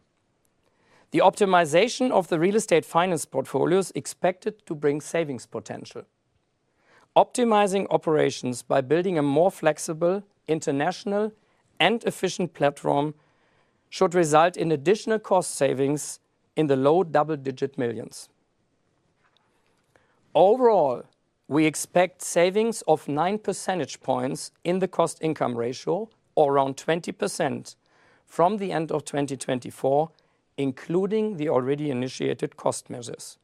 The optimization of the real estate finance portfolio is expected to bring savings potential. Optimizing operations by building a more flexible, international, and efficient platform should result in additional cost savings in the low double-digit millions. Overall, we expect savings of nine percentage points in the cost-income ratio, or around 20% from the end of 2024, including the already initiated cost measures.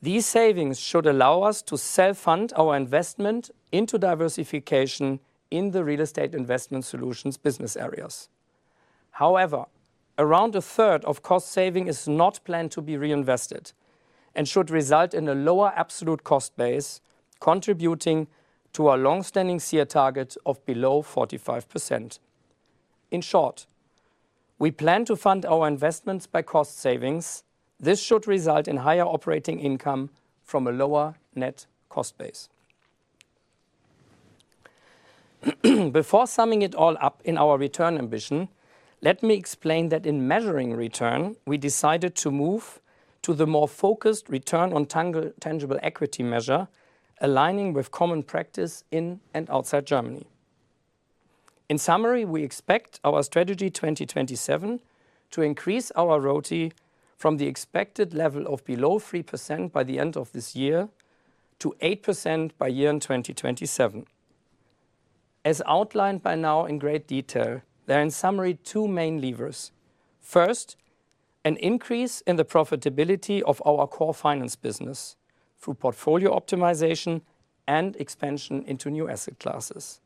These savings should allow us to self-fund our investment into diversification in the real estate investment solutions business areas. However, around a third of cost savings is not planned to be reinvested and should result in a lower absolute cost base, contributing to our long-standing CIR target of below 45%. In short, we plan to fund our investments by cost savings. This should result in higher operating income from a lower net cost base. Before summing it all up in our return ambition, let me explain that in measuring return, we decided to move to the more focused return on tangible equity measure, aligning with common practice in and outside Germany. In summary, we expect our Strategy 2027 to increase our ROTE from the expected level of below 3% by the end of this year to 8% by year end 2027. As outlined by now in great detail, there are, in summary, two main levers: First, an increase in the profitability of our core finance business through portfolio optimization and expansion into new asset classes.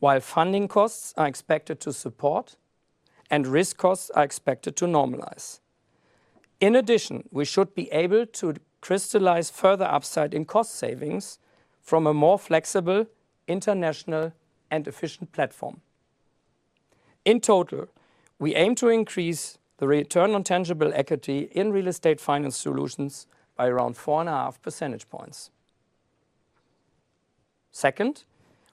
While funding costs are expected to support and risk costs are expected to normalize. In addition, we should be able to crystallize further upside in cost savings from a more flexible, international, and efficient platform. In total, we aim to increase the return on tangible equity in Real Estate Finance Solutions by around four and a half percentage points. Second,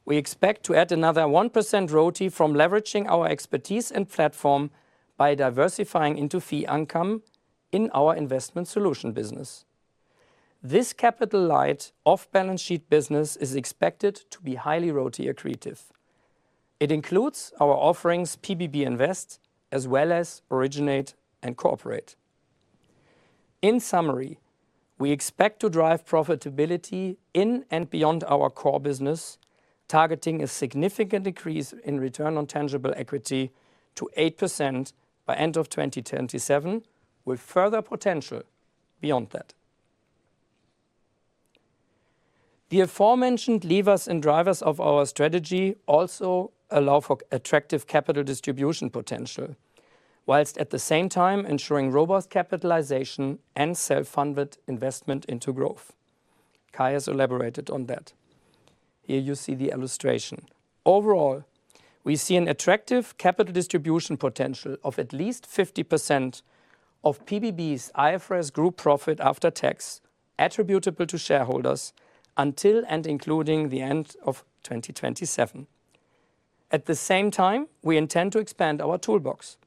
we expect to add another 1% ROTE from leveraging our expertise and platform by diversifying into fee income in our investment solution business. This capital light, off-balance sheet business is expected to be highly ROTE accretive. It includes our offerings, pbb Invest, as well as Originate & Cooperate. In summary, we expect to drive profitability in and beyond our core business, targeting a significant increase in return on tangible equity to 8% by end of 2027, with further potential beyond that. The aforementioned levers and drivers of our strategy also allow for attractive capital distribution potential, whilst at the same time ensuring robust capitalization and self-funded investment into growth. Kay has elaborated on that. Here you see the illustration. Overall, we see an attractive capital distribution potential of at least 50% of PBB's IFRS Group profit after tax, attributable to shareholders until and including the end of 2027. At the same time, we intend to expand our toolbox.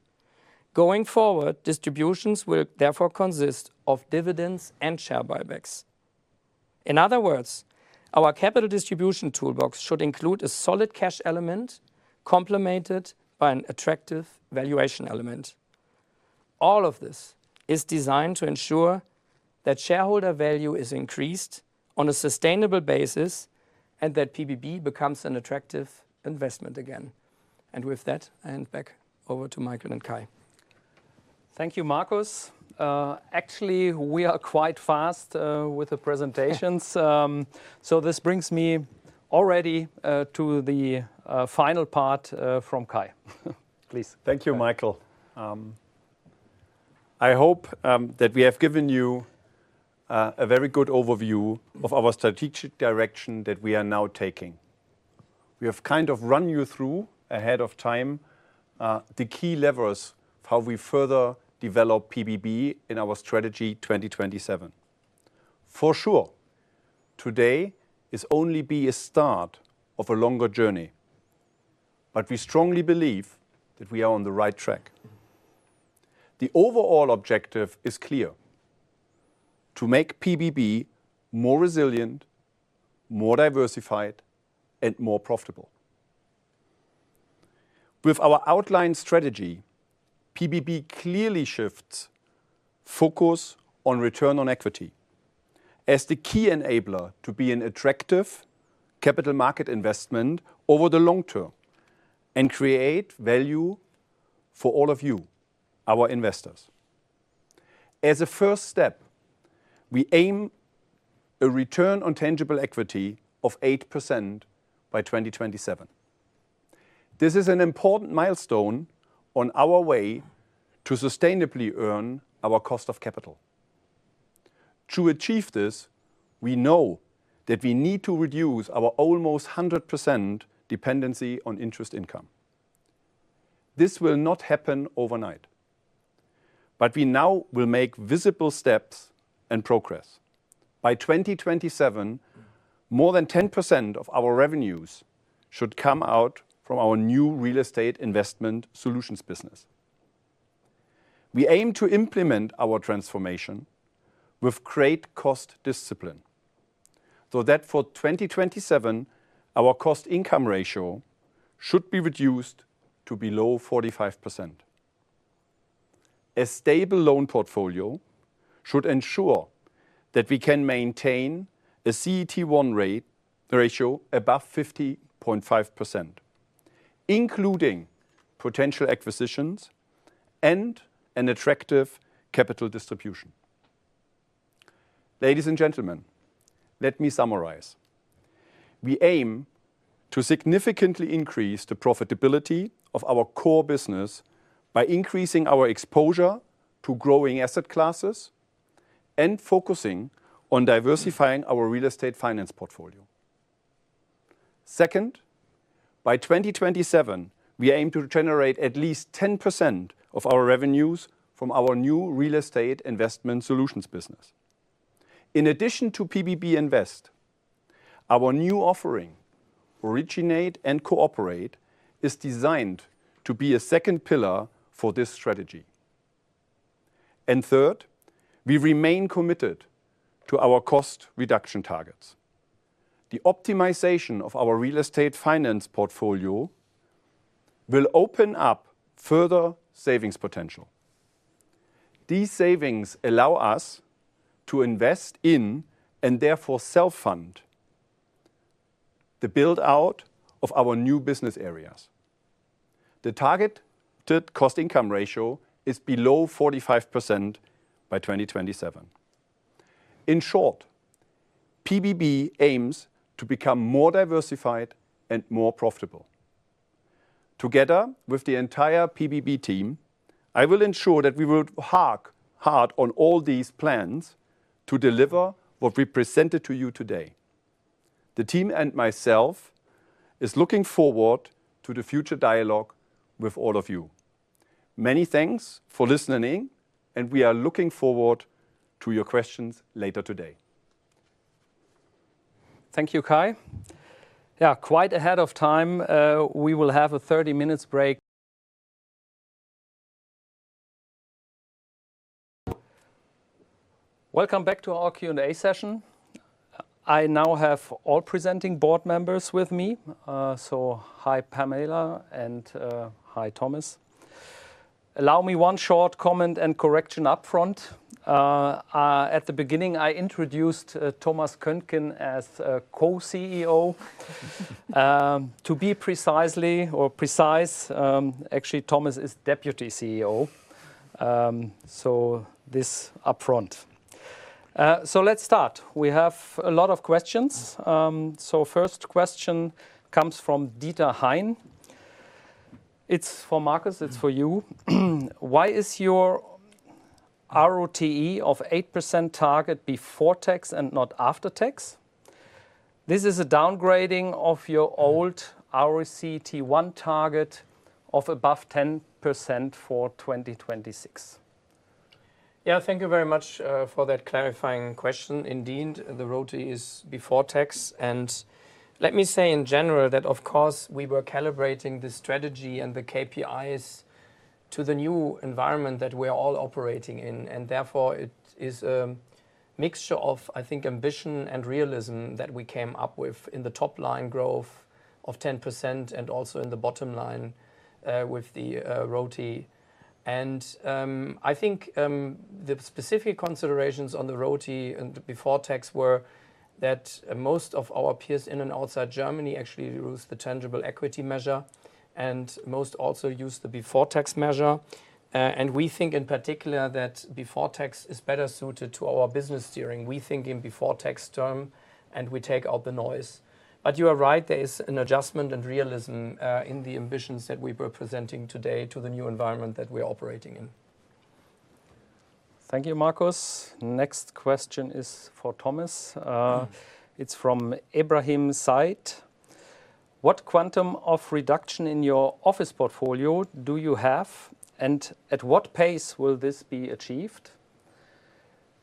Going forward, distributions will therefore consist of dividends and share buybacks. In other words, our capital distribution toolbox should include a solid cash element, complemented by an attractive valuation element. All of this is designed to ensure that shareholder value is increased on a sustainable basis and that pbb becomes an attractive investment again, and with that, I hand back over to Michael and Kay. Thank you, Marcus. Actually, we are quite fast with the presentations. So this brings me already to the final part from Kay. Please. Thank you, Michael. I hope that we have given you a very good overview of our strategic direction that we are now taking. We have kind of run you through, ahead of time, the key levers of how we further develop PBB in our Strategy 2027. For sure, today is only the start of a longer journey, but we strongly believe that we are on the right track. The overall objective is clear: to make PBB more resilient, more diversified, and more profitable. With our outlined strategy, PBB clearly shifts focus on return on equity as the key enabler to be an attractive capital market investment over the long term and create value for all of you, our investors. As a first step, we aim a return on tangible equity of 8% by 2027 This is an important milestone on our way to sustainably earn our cost of capital. To achieve this, we know that we need to reduce our almost 100% dependency on interest income. This will not happen overnight, but we now will make visible steps and progress. By 2027, more than 10% of our revenues should come out from our new real estate investment solutions business. We aim to implement our transformation with great cost discipline, so that for 2027, our cost-income ratio should be reduced to below 45%. A stable loan portfolio should ensure that we can maintain a CET1 ratio above 50.5%, including potential acquisitions and an attractive capital distribution. Ladies and gentlemen, let me summarize. We aim to significantly increase the profitability of our core business by increasing our exposure to growing asset classes and focusing on diversifying our real estate finance portfolio. Second, by 2027, we aim to generate at least 10% of our revenues from our new real estate investment solutions business. In addition to pbb Invest, our new offering, Originate and Cooperate, is designed to be a second pillar for this strategy. And third, we remain committed to our cost reduction targets. The optimization of our real estate finance portfolio will open up further savings potential. These savings allow us to invest in, and therefore, self-fund the build-out of our new business areas. The targeted cost-income ratio is below 45% by 2027. In short, pbb aims to become more diversified and more profitable. Together with the entire PBB team, I will ensure that we will work hard on all these plans to deliver what we presented to you today. The team and myself is looking forward to the future dialogue with all of you. Many thanks for listening, and we are looking forward to your questions later today. Thank you, Kay. Yeah, quite ahead of time, we will have a 30 minutes break. Welcome back to our Q&A session. I now have all presenting board members with me. So hi, Pamela, and hi, Thomas. Allow me one short comment and correction upfront. At the beginning, I introduced Thomas Köntgen as a co-CEO. To be precisely or precise, actually, Thomas is Deputy CEO. So this upfront. So let's start. We have a lot of questions. So first question comes from Dieter Hein. It's for Marcus, it's for you. Why is your ROTE of 8% target before tax and not after tax? This is a downgrading of your old ROTE target of above 10% for 2026. Yeah, thank you very much for that clarifying question. Indeed, the ROTE is before tax, and let me say in general that, of course, we were calibrating the strategy and the KPIs to the new environment that we are all operating in, and therefore, it is mixture of, I think, ambition and realism that we came up with in the top line growth of 10% and also in the bottom line with the ROTE. And, I think, the specific considerations on the ROTE and before tax were that most of our peers in and outside Germany actually use the tangible equity measure, and most also use the before tax measure. And we think in particular that before tax is better suited to our business steering. We think in before tax term, and we take out the noise. But you are right, there is an adjustment and realism in the ambitions that we were presenting today to the new environment that we are operating in. Thank you, Marcus. Next question is for Thomas. It's from Ibrahim Said: What quantum of reduction in your office portfolio do you have, and at what pace will this be achieved?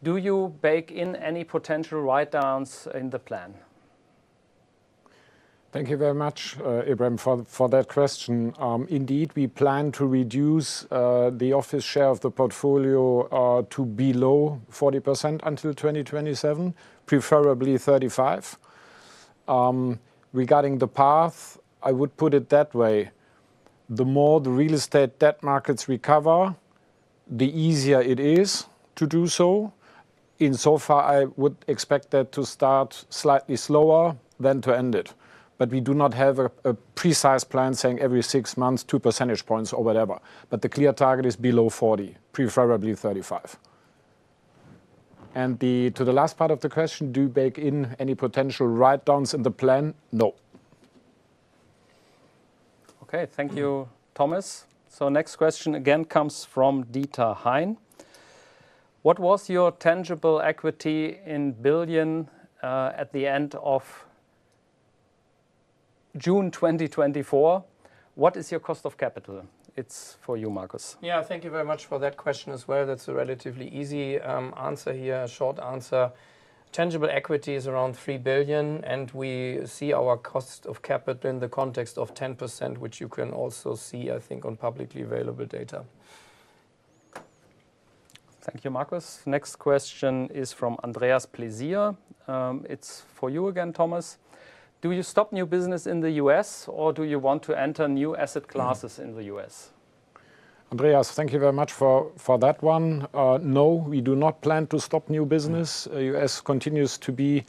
Do you bake in any potential write-downs in the plan? Thank you very much, Ibrahim, for that question. Indeed, we plan to reduce the office share of the portfolio to below 40% until 2027, preferably 35%. Regarding the path, I would put it that way: the more the real estate debt markets recover, the easier it is to do so. In so far, I would expect that to start slightly slower than to end it. But we do not have a precise plan saying every six months, two percentage points or whatever. But the clear target is below 40%, preferably 35%. And to the last part of the question, do you bake in any potential write-downs in the plan? No. Okay, thank you, Thomas. So next question again comes from Dieter Hein: What was your tangible equity in billion at the end of June 2024? What is your cost of capital? It's for you, Marcus. Yeah, thank you very much for that question as well. That's a relatively easy answer here, short answer. Tangible equity is around 3 billion, and we see our cost of capital in the context of 10%, which you can also see, I think, on publicly available data. Thank you, Marcus. Next question is from Andreas Pläsier. It's for you again, Thomas. Do you stop new business in the U.S., or do you want to enter new asset classes in the U.S.? Andreas, thank you very much for that one. No, we do not plan to stop new business. U.S. continues to be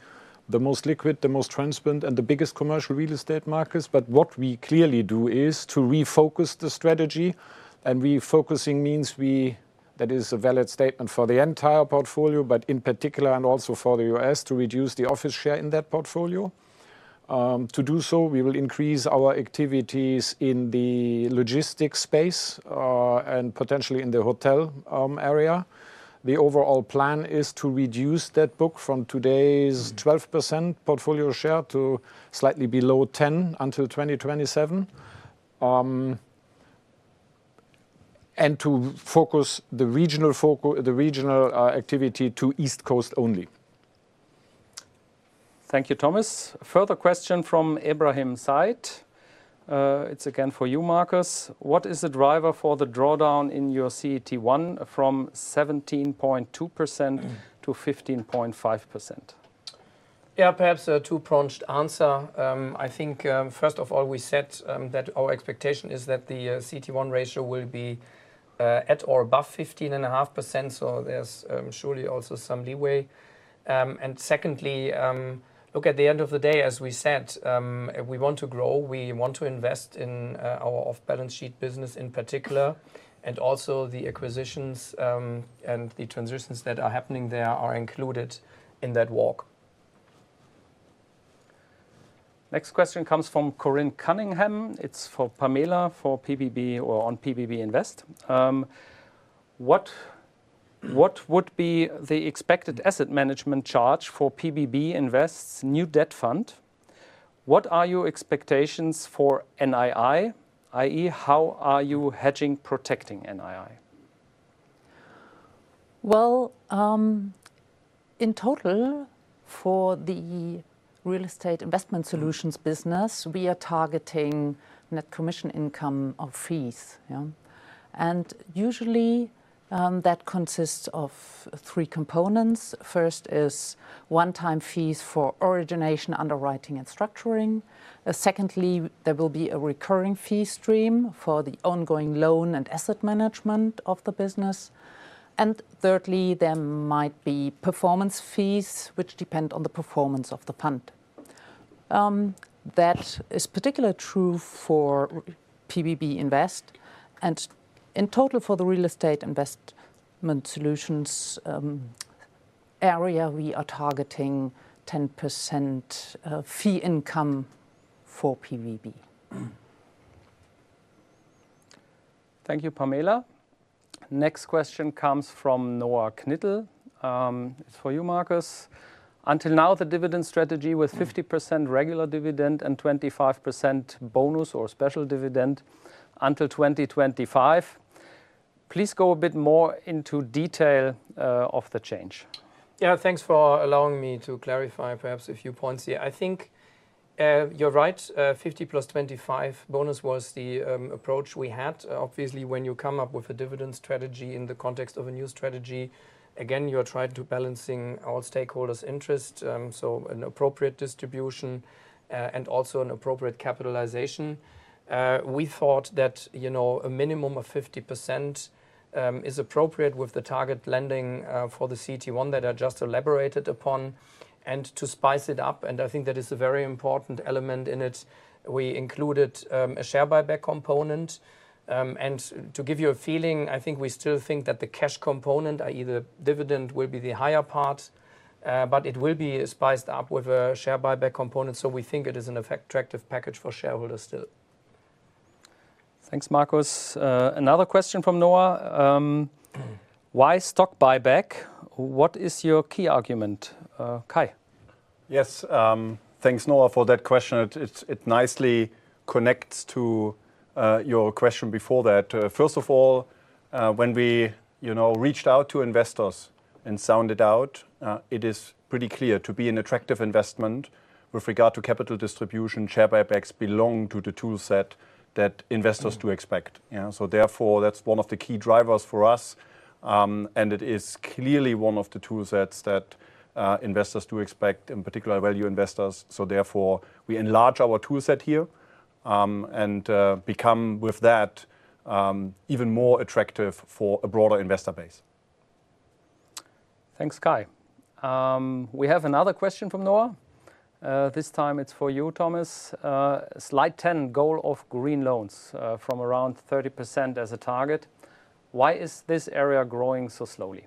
the most liquid, the most transparent, and the biggest commercial real estate markets. But what we clearly do is to refocus the strategy, and refocusing means that is a valid statement for the entire portfolio, but in particular, and also for the U.S., to reduce the office share in that portfolio. To do so, we will increase our activities in the logistics space, and potentially in the hotel area. The overall plan is to reduce that book from today's 12% portfolio share to slightly below 10% until 2027, and to focus the regional activity to East Coast only. Thank you, Thomas. Further question from Ibrahim Said. It's again for you, Marcus: "What is the driver for the drawdown in your CET1 from 17.2% to 15.5%? Yeah, perhaps a two-pronged answer. I think, first of all, we said that our expectation is that the CET1 ratio will be at or above 15.5%, so there's surely also some leeway. And secondly, look, at the end of the day, as we said, we want to grow, we want to invest in our off-balance sheet business in particular, and also the acquisitions and the transitions that are happening there are included in that walk. Next question comes from Corinne Cunningham. It's for Pamela, for PBB or on PBB Invest. "What would be the expected asset management charge for PBB Invest's new debt fund? What are your expectations for NII, i.e., how are you hedging protecting NII? In total, for the Real Estate Investment Solutions business, we are targeting net commission income of fees. Usually, that consists of three components. First is one-time fees for origination, underwriting, and structuring. Secondly, there will be a recurring fee stream for the ongoing loan and asset management of the business. Thirdly, there might be performance fees, which depend on the performance of the fund. That is particularly true for PBB Invest, and in total, for the Real Estate Investment Solutions area, we are targeting 10% fee income for PBB. Thank you, Pamela. Next question comes from Noah Knittel. It's for you, Marcus. "Until now, the dividend strategy was 50% regular dividend and 25% bonus or special dividend until 2025. Please go a bit more into detail, of the change. Yeah, thanks for allowing me to clarify perhaps a few points here. I think, you're right, 50 plus 25 bonus was the approach we had. Obviously, when you come up with a dividend strategy in the context of a new strategy, again, you are trying to balancing all stakeholders' interest, so an appropriate distribution, and also an appropriate capitalization. We thought that, you know, a minimum of 50% is appropriate with the target lending for the CET1 that I just elaborated upon. And to spice it up, and I think that is a very important element in it, we included a share buyback component. And to give you a feeling, I think we still think that the cash component, i.e., the dividend, will be the higher part, but it will be spiced up with a share buyback component, so we think it is an attractive package for shareholders still. Thanks, Marcus. Another question from Noah: "Why stock buyback? What is your key argument?" Kay. Yes, thanks, Noah, for that question. It nicely connects to your question before that. First of all, when we, you know, reached out to investors and sounded out, it is pretty clear to be an attractive investment with regard to capital distribution. Share buybacks belong to the toolset that investors do expect, you know? So therefore, that's one of the key drivers for us, and it is clearly one of the toolsets that investors do expect, in particular, value investors. So therefore, we enlarge our toolset here, and become, with that, even more attractive for a broader investor base. Thanks, Kay. We have another question from Noah. This time it's for you, Thomas. "Slide 10, goal of green loans, from around 30% as a target. Why is this area growing so slowly?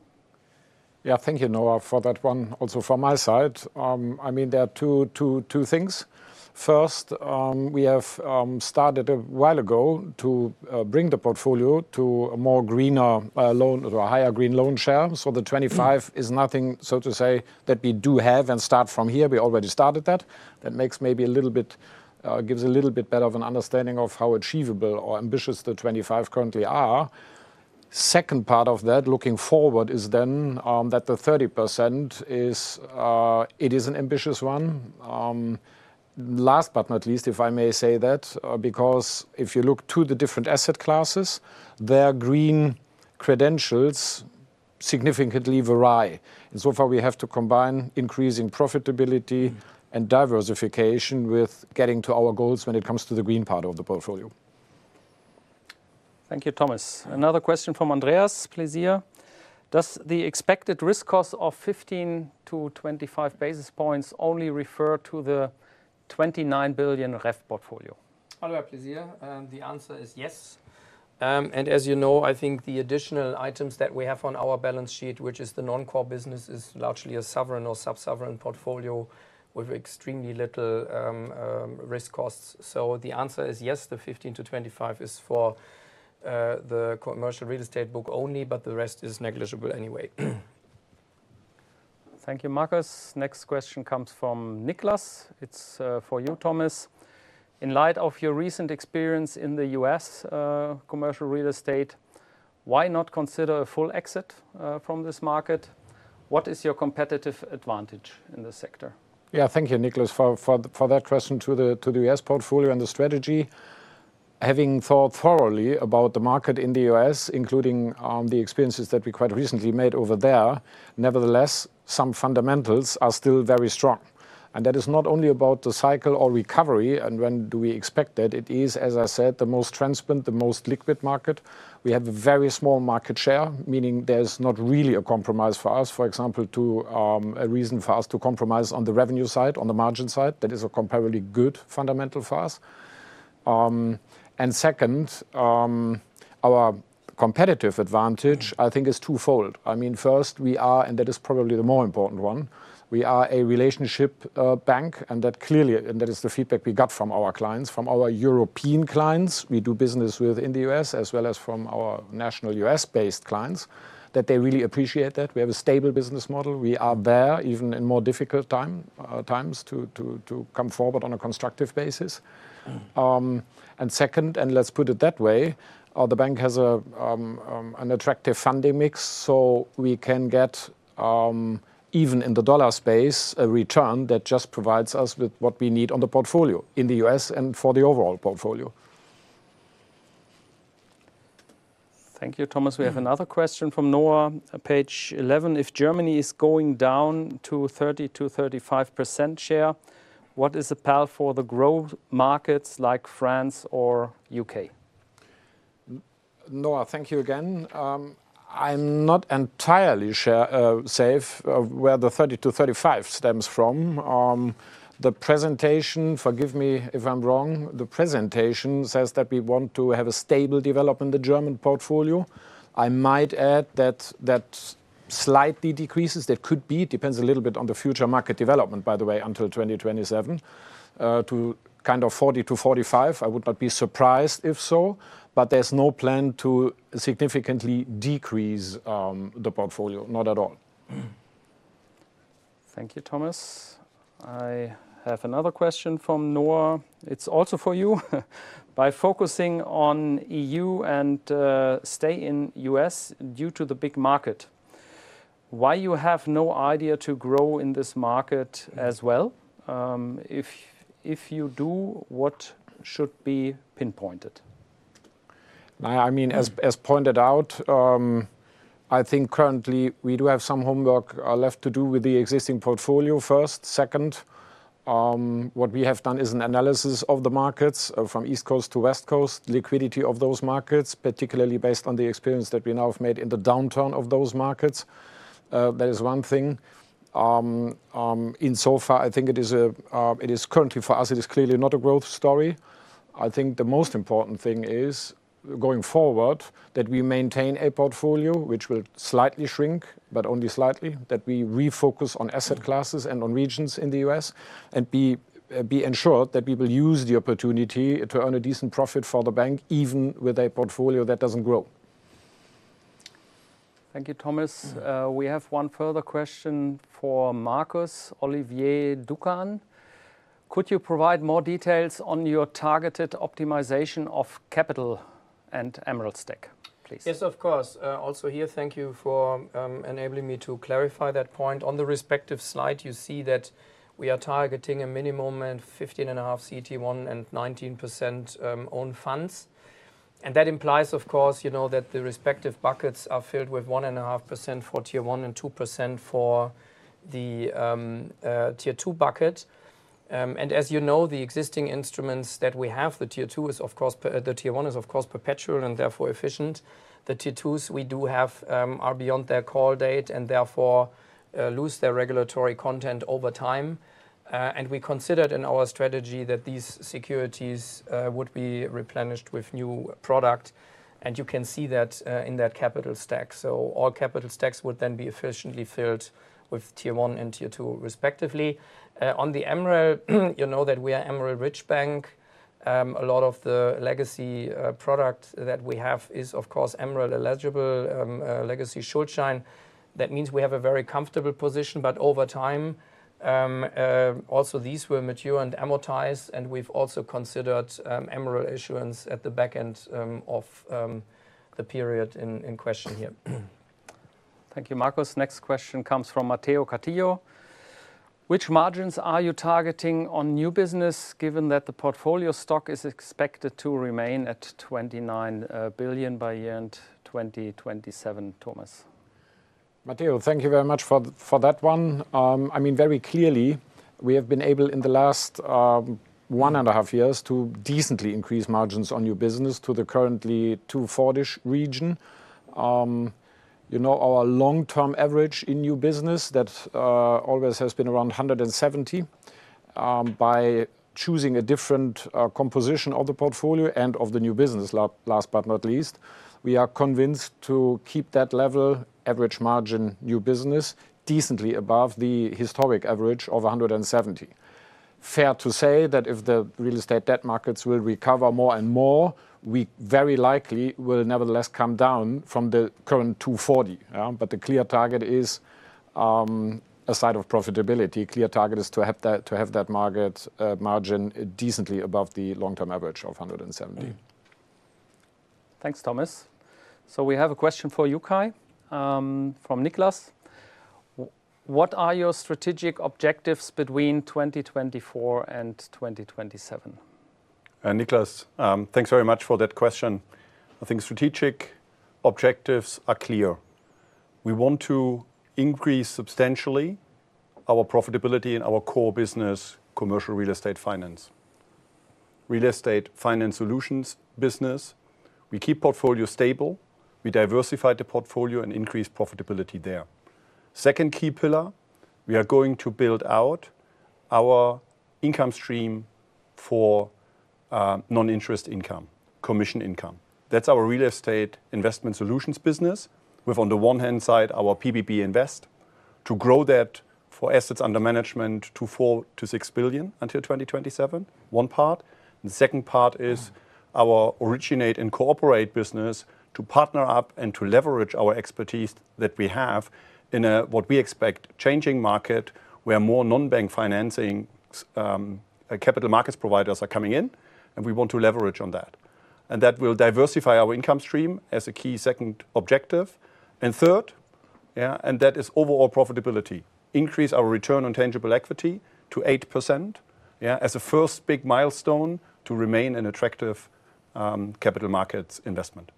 Yeah. Thank you, Noah, for that one. Also from my side, I mean, there are two things. First, we have started a while ago to bring the portfolio to a more greener loan or a higher green loan share. So the 25% is nothing, so to say, that we do have and start from here, we already started that. That makes maybe a little bit gives a little bit better of an understanding of how achievable or ambitious the 25% currently are. Second part of that, looking forward, is then that the 30% is it is an ambitious one. Last but not least, if I may say that, because if you look to the different asset classes, their green credentials significantly vary. And so far, we have to combine increasing profitability and diversification with getting to our goals when it comes to the green part of the portfolio. Thank you, Thomas. Another question from Andreas Pläsier: "Does the expected risk cost of 15 to 25 basis points only refer to the 29 billion Rev portfolio? Hello, Pläsier. The answer is yes, and as you know, I think the additional items that we have on our balance sheet, which is the non-core business, is largely a sovereign or sub-sovereign portfolio with extremely little risk costs, so the answer is yes, the 15 to 25 is for the commercial real estate book only, but the rest is negligible anyway. Thank you, Marcus. Next question comes from Nicholas. It's for you, Thomas. In light of your recent experience in the U.S. commercial real estate, why not consider a full exit from this market? What is your competitive advantage in this sector? Yeah. Thank you, Nicholas, for that question to the U.S. portfolio and the strategy. Having thought thoroughly about the market in the U.S., including the experiences that we quite recently made over there, nevertheless, some fundamentals are still very strong. That is not only about the cycle or recovery and when do we expect that, it is, as I said, the most transparent, the most liquid market. We have a very small market share, meaning there's not really a compromise for us, for example, a reason for us to compromise on the revenue side, on the margin side. That is a comparatively good fundamental for us. And second, our competitive advantage, I think, is twofold. I mean, first, and that is probably the more important one, we are a relationship bank, and that is the feedback we got from our clients, from our European clients we do business with in the U.S., as well as from our national U.S.-based clients, that they really appreciate that. We have a stable business model. We are there, even in more difficult times, to come forward on a constructive basis. And second, and let's put it that way, the bank has an attractive funding mix, so we can get, even in the dollar space, a return that just provides us with what we need on the portfolio in the U.S. and for the overall portfolio. Thank you, Thomas. We have another question from Noah. Page eleven: If Germany is going down to 30% to 35% share, what is the path for the growth markets like France or U.K.? Noah, thank you again. I'm not entirely sure of where the 30 to 35 stems from. The presentation, forgive me if I'm wrong, the presentation says that we want to have a stable development in the German portfolio. I might add that that slightly decreases. That could be. It depends a little bit on the future market development, by the way, until 2027 to kind of 40 to 45. I would not be surprised if so, but there's no plan to significantly decrease the portfolio. Not at all. Thank you, Thomas. I have another question from Noah. It's also for you. By focusing on EU and stay in U.S. due to the big market, why you have no idea to grow in this market as well? If you do, what should be pinpointed? I mean, as pointed out, I think currently we do have some homework left to do with the existing portfolio first. Second, what we have done is an analysis of the markets, from East Coast to West Coast, liquidity of those markets, particularly based on the experience that we now have made in the downturn of those markets. That is one thing. In so far, I think it is currently for us, it is clearly not a growth story. I think the most important thing is, going forward, that we maintain a portfolio which will slightly shrink, but only slightly, that we refocus on asset classes and on regions in the U.S., and be ensured that we will use the opportunity to earn a decent profit for the bank, even with a portfolio that doesn't grow. Thank you, Thomas. We have one further question for Marcus. Olivier Ducan: Could you provide more details on your targeted optimization of capital and MREL stack, please? Yes, of course. Also here, thank you for enabling me to clarify that point. On the respective slide, you see that we are targeting a minimum and 15.5% CET1 and 19% own funds, and that implies, of course, you know, that the respective buckets are filled with 1.5% for Tier 1, and 2% for the Tier 2 bucket, and as you know, the existing instruments that we have, the Tier 1 is, of course, perpetual and therefore efficient. The Tier 2s we do have are beyond their call date, and therefore lose their regulatory capital over time, and we considered in our strategy that these securities would be replenished with new product, and you can see that in that capital stack. So all capital stacks would then be efficiently filled with Tier one and Tier two, respectively. On the MREL, you know that we are MREL-rich bank. A lot of the legacy product that we have is, of course, MREL-eligible, legacy Schuldschein. That means we have a very comfortable position, but over time, also these will mature and amortize, and we've also considered MREL issuance at the back end of the period in question here. Thank you, Marcus. Next question comes from Mateo Castillo: Which margins are you targeting on new business, given that the portfolio stock is expected to remain at 29 billion by the end of 2027, Thomas? Mateo, thank you very much for that one. I mean, very clearly, we have been able, in the last one and a half years, to decently increase margins on new business to the currently 240-ish region. You know, our long-term average in new business, that always has been around 170. By choosing a different composition of the portfolio and of the new business, last but not least, we are convinced to keep that level, average margin, new business, decently above the historic average of 170. Fair to say that if the real estate debt markets will recover more and more, we very likely will nevertheless come down from the current 240, yeah? But the clear target is, aside from profitability. Clear target is to have that market margin decently above the long-term average of 170. Thanks, Thomas. So we have a question for you, Kay, from Nicholas: What are your strategic objectives between 2024 and 2027? Nicholas, thanks very much for that question. I think strategic objectives are clear. We want to increase substantially our profitability in our core business, commercial real estate finance. Real Estate Finance Solutions business, we keep portfolio stable, we diversify the portfolio, and increase profitability there. Second key pillar, we are going to build out our income stream for non-interest income, commission income. That's our Real Estate Investment Solutions business, with on the one hand side, our pbb Invest, to grow that for assets under management to €4 billion to 6 billion until 2027, one part, and the second part is our Originate & Cooperate business, to partner up and to leverage our expertise that we have in a what we expect changing market, where more non-bank financing, capital markets providers are coming in, and we want to leverage on that. And that will diversify our income stream as a key second objective. And third, yeah, and that is overall profitability. Increase our return on tangible equity to 8%, yeah, as a first big milestone to remain an attractive capital markets investment.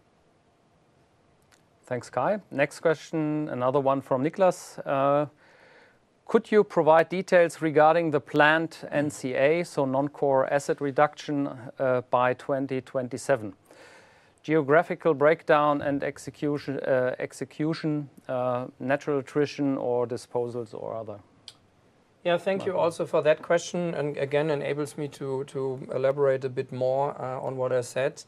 Thanks, Kay. Next question, another one from Nicholas. Could you provide details regarding the planned NCA, so non-core asset reduction, by 2027? Geographical breakdown and execution, natural attrition or disposals or other. Yeah, thank you also for that question, and again, enables me to elaborate a bit more on what I said.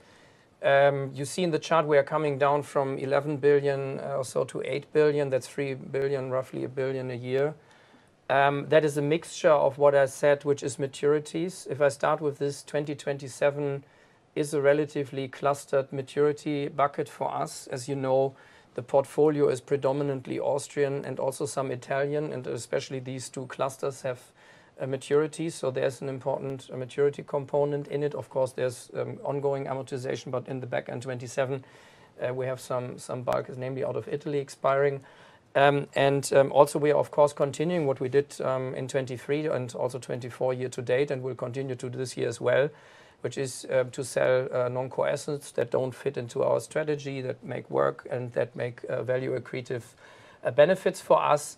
You see in the chart, we are coming down from 11 billion or so to 8 billion. That's 3 billion, roughly 1 billion a year. That is a mixture of what I said, which is maturities. If I start with this, 2027 is a relatively clustered maturity bucket for us. As you know, the portfolio is predominantly Austrian and also some Italian, and especially these two clusters have a maturity, so there's an important maturity component in it. Of course, there's ongoing amortization, but in the back end, 2027, we have some buckets, namely out of Italy, expiring. Also, we are of course continuing what we did in 2023 and also 2024 year to date, and we'll continue to do this year as well, which is to sell non-core assets that don't fit into our strategy, that make work and value accretive benefits for us.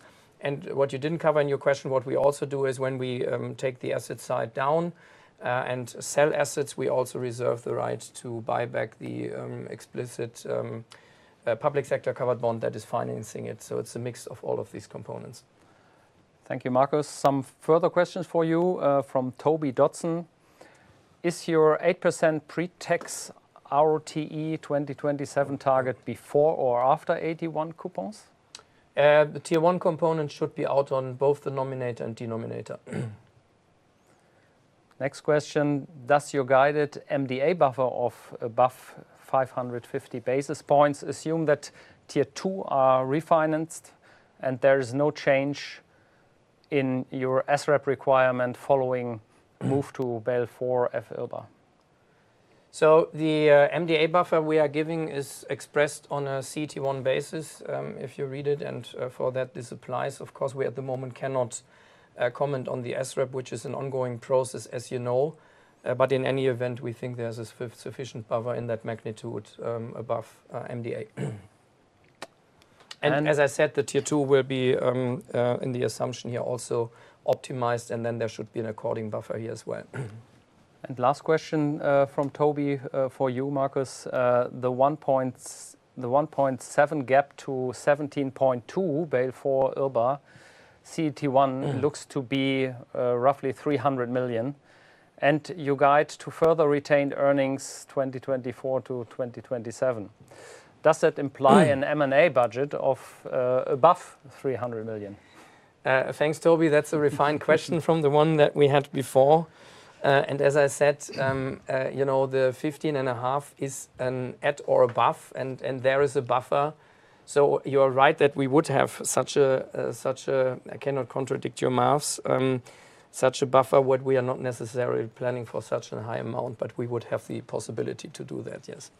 What you didn't cover in your question, what we also do is when we take the asset side down and sell assets, we also reserve the right to buy back the explicit public sector covered bond that is financing it. So it's a mix of all of these components. Thank you, Marcus. Some further questions for you, from Toby Dodson. Is your 8% pre-tax ROTE 2027 target before or after AT1 coupons? The Tier 1 component should be out on both the numerator and denominator. Next question: Does your guided MDA buffer of above 550 basis points assume that Tier 2 are refinanced, and there is no change in your SREP requirement following move to Basel IV FIRB? The MDA buffer we are giving is expressed on a CET1 basis, if you read it, and for that, this applies. Of course, we at the moment cannot comment on the SREP, which is an ongoing process, as you know. In any event, we think there's a sufficient buffer in that magnitude above MDA. And- And as I said, the Tier 2 will be, in the assumption here, also optimized, and then there should be an according buffer here as well. And last question from Toby for you, Marcus: The 1.7 gap to 17.2 Basel IV IRBA CET1 looks to be roughly 300 million, and you guide to further retained earnings 2024 to 2027. Does that imply an M&A budget of above 300 million? Thanks, Toby. That's a refined question from the one that we had before. As I said, you know, the 15.5 is an at or above, and there is a buffer. So you're right, that we would have such a buffer. I cannot contradict your math, but we are not necessarily planning for such a high amount, but we would have the possibility to do that. Yes.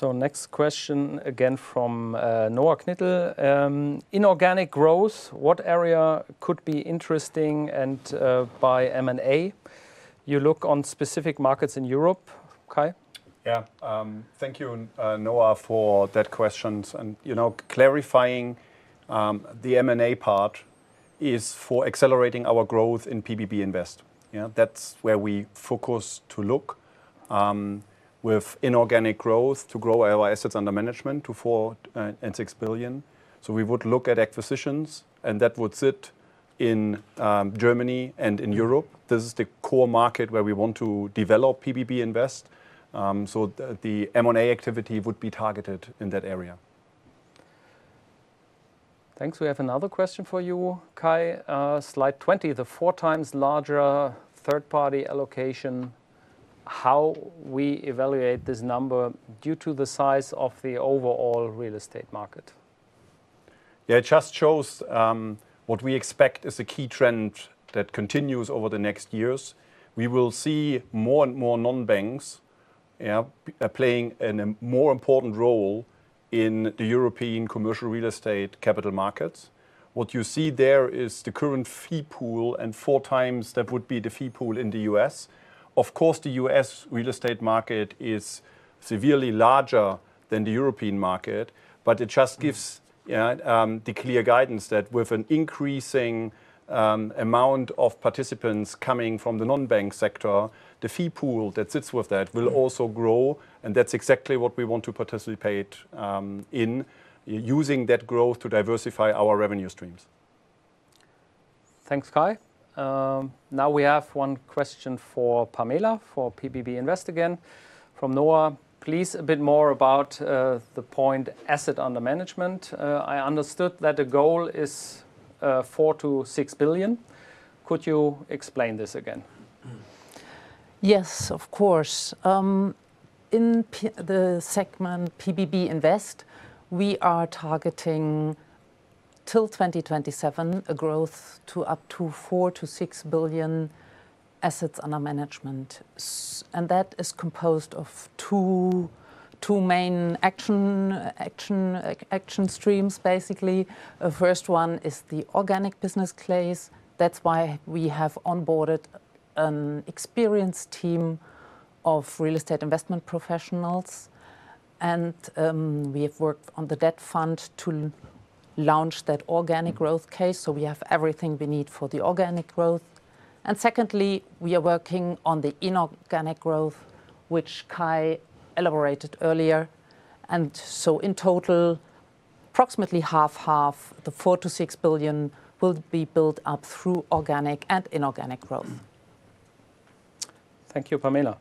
So next question, again, from Noah Knittel. Inorganic growth, what area could be interesting, and by M&A, you look on specific markets in Europe, Kay? Yeah. Thank you, Noah, for that question. And, you know, clarifying, the M&A part is for accelerating our growth in pbb Invest. Yeah, that's where we focus to look with inorganic growth, to grow our assets under management to 4 billion to 6 billion. So we would look at acquisitions, and that would sit in Germany and in Europe. This is the core market where we want to develop pbb Invest, so the M&A activity would be targeted in that area. Thanks. We have another question for you, Kay. Slide 20, the four times larger third-party allocation, how we evaluate this number due to the size of the overall real estate market? Yeah, it just shows what we expect is a key trend that continues over the next years. We will see more and more non-banks, yeah, playing a more important role in the European commercial real estate capital markets. What you see there is the current fee pool, and four times that would be the fee pool in the U.S. Of course, the U.S. real estate market is severely larger than the European market, but it just gives, yeah, the clear guidance that with an increasing amount of participants coming from the non-bank sector, the fee pool that sits with that will also grow, and that's exactly what we want to participate in, using that growth to diversify our revenue streams. Thanks, Kay. Now we have one question for Pamela, for pbb Invest again, from Noah: Please, a bit more about the point assets under management. I understood that the goal is 4 billion to 6 billion. Could you explain this again? Yes, of course. In the segment pbb Invest, we are targeting, till 2027, a growth to up to 4 billion to 6 billion assets under management. That is composed of two main action streams, basically. First one is the organic business case. That's why we have onboarded an experienced team of real estate investment professionals, and we have worked on the debt fund to launch that organic growth case, so we have everything we need for the organic growth. And secondly, we are working on the inorganic growth, which Kay elaborated earlier. And so in total, approximately half-half, the 4 billion to 6 billion will be built up through organic and inorganic growth. Thank you, Pamela.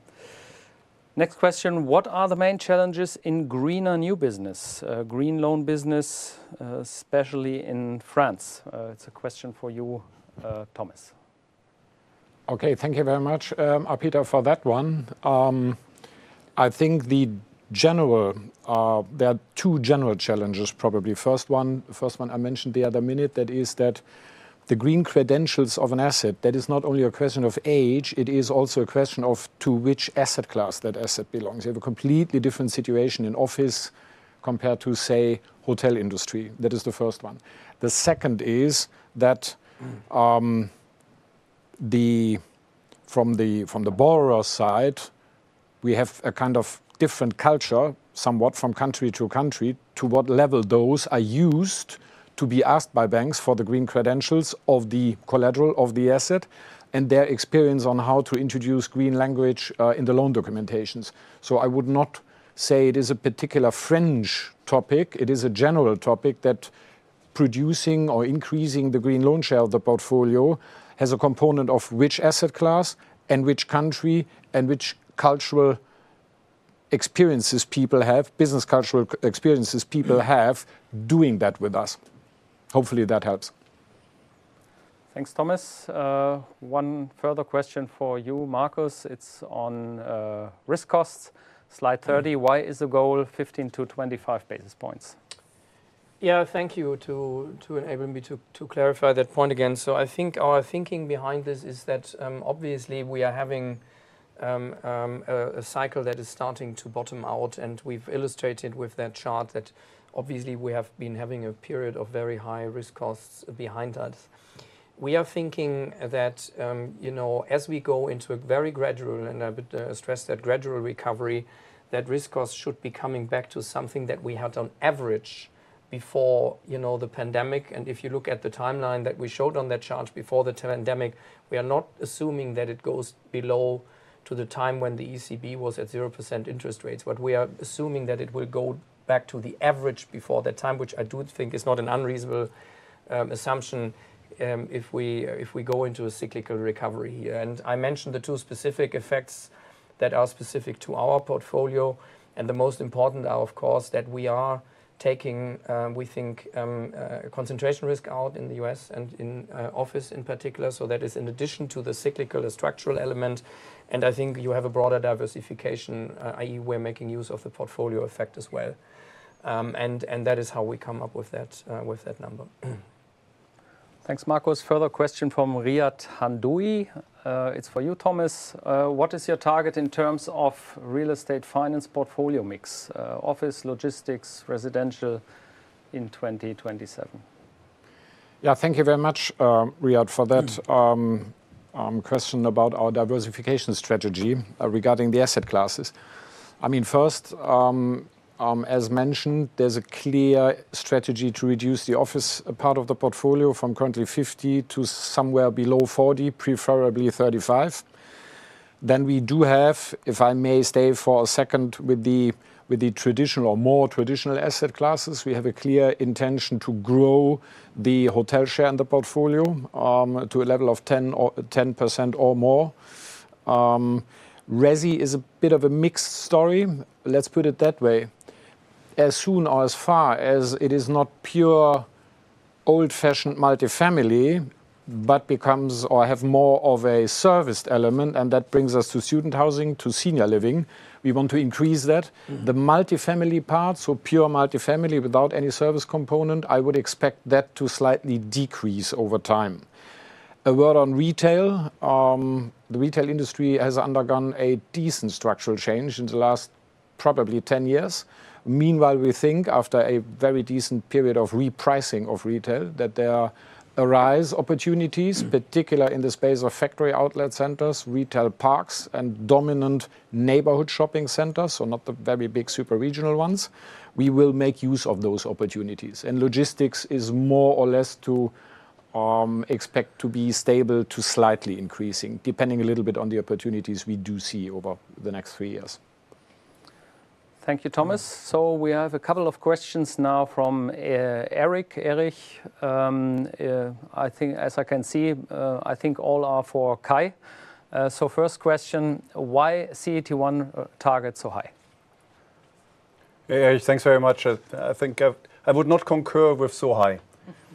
Next question: What are the main challenges in greener new business, green loan business, especially in France? It's a question for you, Thomas. Okay. Thank you very much, Arpita, for that one. I think there are two general challenges, probably. First one I mentioned the other minute, that is that the green credentials of an asset, that is not only a question of age, it is also a question of to which asset class that asset belongs. You have a completely different situation in office compared to, say, hotel industry. That is the first one. The second is that, from the borrower side, we have a kind of different culture, somewhat from country to country, to what level those are used to be asked by banks for the green credentials of the collateral of the asset, and their experience on how to introduce green language in the loan documentations. So I would not say it is a particular French topic. It is a general topic that producing or increasing the green loan share of the portfolio has a component of which asset class and which country and which cultural experiences people have, business cultural experiences people have, doing that with us. Hopefully, that helps. Thanks, Thomas. One further question for you, Marcus. It's on risk costs, slide 30: Why is the goal 15 to 25 basis points? Yeah, thank you for enabling me to clarify that point again. So I think our thinking behind this is that obviously we are having a cycle that is starting to bottom out, and we've illustrated with that chart that obviously we have been having a period of very high risk costs behind us. We are thinking that you know as we go into a very gradual, and I would stress that, gradual recovery, that risk cost should be coming back to something that we had on average before you know the pandemic. And if you look at the timeline that we showed on that chart before the pandemic, we are not assuming that it goes below to the time when the ECB was at 0% interest rates, but we are assuming that it will go back to the average before that time, which I do think is not an unreasonable assumption, if we go into a cyclical recovery. And I mentioned the two specific effects that are specific to our portfolio, and the most important are, of course, that we are taking we think concentration risk out in the U.S. and in office in particular, so that is in addition to the cyclical structural element. And I think you have a broader diversification, i.e., we're making use of the portfolio effect as well. That is how we come up with that number. Thanks, Marcus. Further question from Riad Hanoui. It's for you, Thomas. What is your target in terms of real estate finance portfolio mix, office, logistics, residential, in 2027? Yeah, thank you very much, Riad, for that question about our diversification strategy regarding the asset classes. I mean, first, as mentioned, there's a clear strategy to reduce the office part of the portfolio from currently 50% to somewhere below 40%, preferably 35%. Then we do have, if I may stay for a second with the traditional, more traditional asset classes, we have a clear intention to grow the hotel share in the portfolio to a level of 10% or more. Resi is a bit of a mixed story, let's put it that way. As soon or as far as it is not pure old-fashioned multifamily, but becomes or have more of a serviced element, and that brings us to student housing, to senior living, we want to increase that. Mm. The multifamily part, so pure multifamily without any service component, I would expect that to slightly decrease over time. A word on retail. The retail industry has undergone a decent structural change in the last probably 10 years. Meanwhile, we think after a very decent period of repricing of retail, that there arise opportunities, particularly in the space of factory outlet centers, retail parks, and dominant neighborhood shopping centers, so not the very big super regional ones. We will make use of those opportunities. And logistics is more or less to expect to be stable to slightly increasing, depending a little bit on the opportunities we do see over the next three years. Thank you, Thomas. So we have a couple of questions now from Eric. Eric, I think as I can see, I think all are for Kay. So first question: Why CET1 target so high? Hey, thanks very much. I think I would not concur with so high.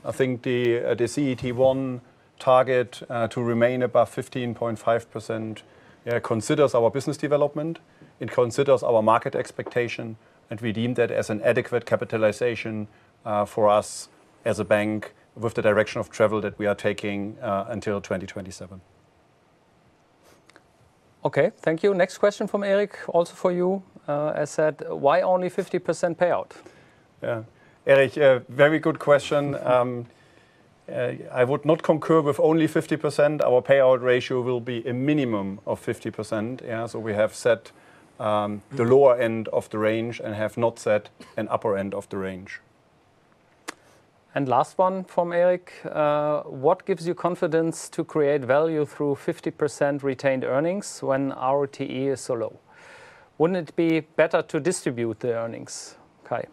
I think the CET1 target to remain above 15.5% considers our business development. It considers our market expectation, and we deem that as an adequate capitalization for us as a bank with the direction of travel that we are taking until 2027. Okay, thank you. Next question from Eric, also for you. It said: Why only 50% payout? Yeah. Eric, a very good question. I would not concur with only 50%. Our payout ratio will be a minimum of 50%, yeah. So we have set the lower end of the range and have not set an upper end of the range. Last one from Eric: What gives you confidence to create value through 50% retained earnings when our TE is so low? Wouldn't it be better to distribute the earnings, Kay?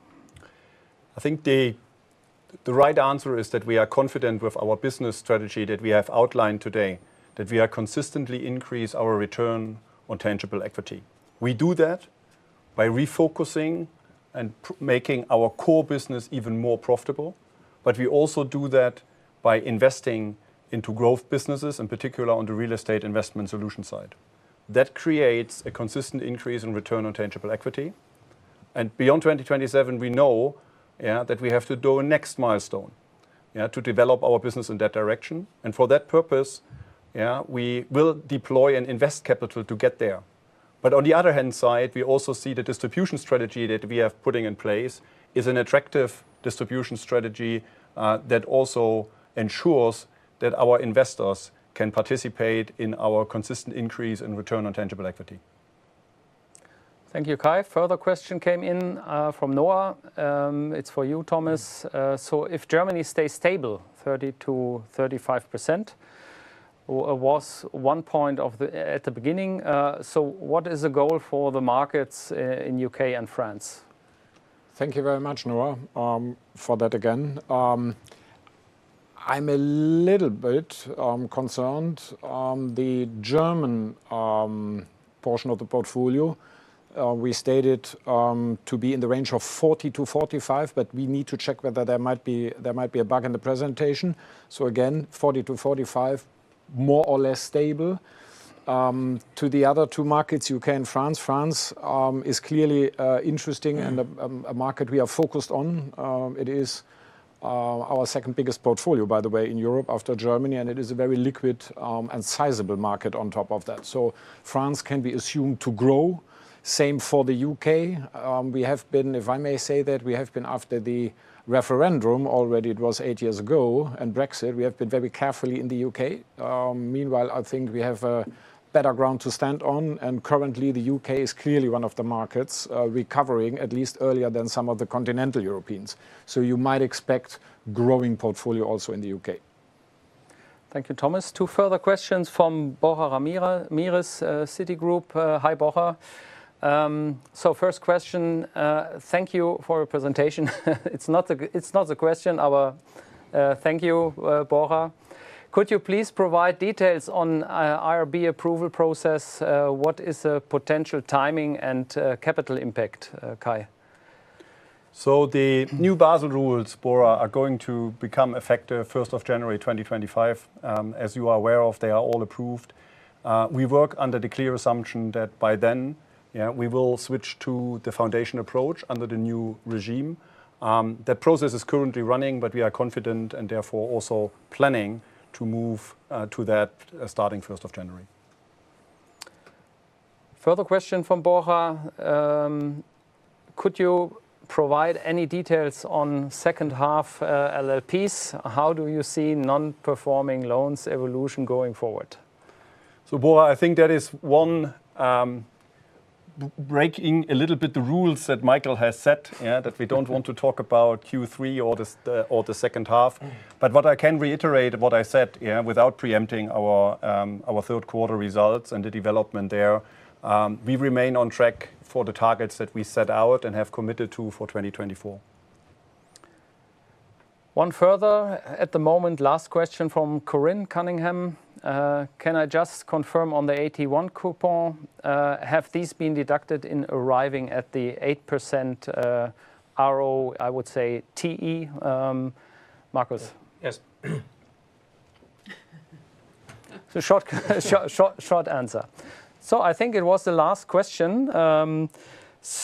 I think the right answer is that we are confident with our business strategy that we have outlined today, that we are consistently increase our return on tangible equity. We do that by refocusing and making our core business even more profitable, but we also do that by investing into growth businesses, in particular on the real estate investment solutions side. That creates a consistent increase in return on tangible equity. Beyond 2027, we know, yeah, that we have to do a next milestone, yeah, to develop our business in that direction. For that purpose, yeah, we will deploy and invest capital to get there. But on the other hand side, we also see the distribution strategy that we are putting in place is an attractive distribution strategy that also ensures that our investors can participate in our consistent increase in Return on Tangible Equity. Thank you, Kay. Further question came in from Noah. It's for you, Thomas. So if Germany stays stable, 30% to 35%, was one point of the at the beginning, so what is the goal for the markets in U.K. and France? Thank you very much, Noah, for that again. I'm a little bit concerned. The German portion of the portfolio, we stated to be in the range of 40 to 45, but we need to check whether there might be a bug in the presentation. So again, 40 to 45, more or less stable. To the other two markets, U.K. and France: France is clearly interesting- Mm and a market we are focused on. It is our second biggest portfolio, by the way, in Europe, after Germany, and it is a very liquid and sizable market on top of that. So France can be assumed to grow. Same for the U.K.. We have been, if I may say that, we have been after the referendum already, it was eight years ago, and Brexit, we have been very carefully in the U.K.. Meanwhile, I think we have a better ground to stand on, and currently, the U.K. is clearly one of the markets recovering at least earlier than some of the continental Europeans. So you might expect growing portfolio also in the U.K.. Thank you, Thomas. Two further questions from Borja Ramirez, Citigroup. Hi, Borja. So first question: thank you for your presentation. Could you please provide details on IRB approval process? What is the potential timing and capital impact, Kay? So the new Basel rules, Borja, are going to become effective 1st of January 2025. As you are aware of, they are all approved. We work under the clear assumption that by then, yeah, we will switch to the foundation approach under the new regime. That process is currently running, but we are confident and therefore also planning to move to that, starting 1st of January. Further question from Borja: Could you provide any details on second half LLPs? How do you see non-performing loans evolution going forward? Borja, I think that is one, breaking a little bit the rules that Michael has set, yeah, that we don't want to talk about Q3 or the second half. Mm. But what I can reiterate what I said, yeah, without preempting our Q3 results and the development there, we remain on track for the targets that we set out and have committed to for 2024. One further, at the moment, last question from Corinne Cunningham: "Can I just confirm on the AT1 coupon, have these been deducted in arriving at the 8% ROTE?" Marcus? Yes. Short answer. I think it was the last question.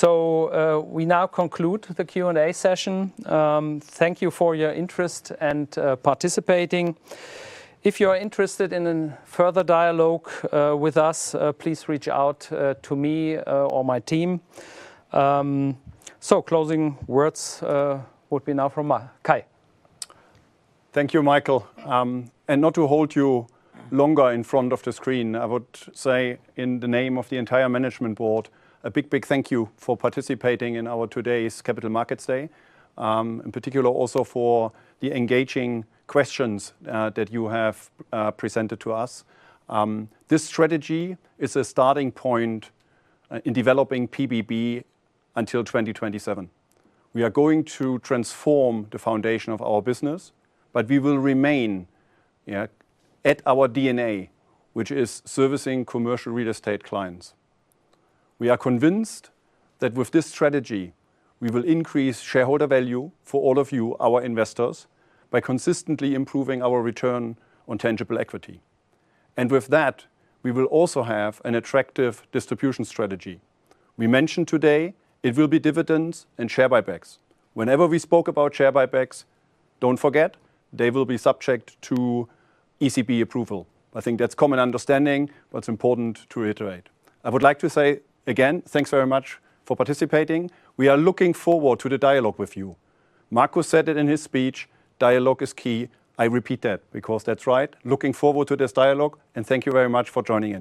We now conclude the Q&A session. Thank you for your interest and participating. If you are interested in a further dialogue with us, please reach out to me or my team. Closing words would now be from Kay. Thank you, Michael. And not to hold you longer in front of the screen, I would say in the name of the entire management board, a big, big thank you for participating in our today's Capital Markets Day. In particular, also for the engaging questions that you have presented to us. This strategy is a starting point in developing PBB until 2027. We are going to transform the foundation of our business, but we will remain, yeah, at our DNA, which is servicing commercial real estate clients. We are convinced that with this strategy, we will increase shareholder value for all of you, our investors, by consistently improving our return on tangible equity. And with that, we will also have an attractive distribution strategy. We mentioned today it will be dividends and share buybacks. Whenever we spoke about share buybacks, don't forget, they will be subject to ECB approval. I think that's common understanding, but it's important to reiterate. I would like to say again, thanks very much for participating. We are looking forward to the dialogue with you. Marcus said it in his speech, "Dialogue is key." I repeat that because that's right. Looking forward to this dialogue, and thank you very much for joining us.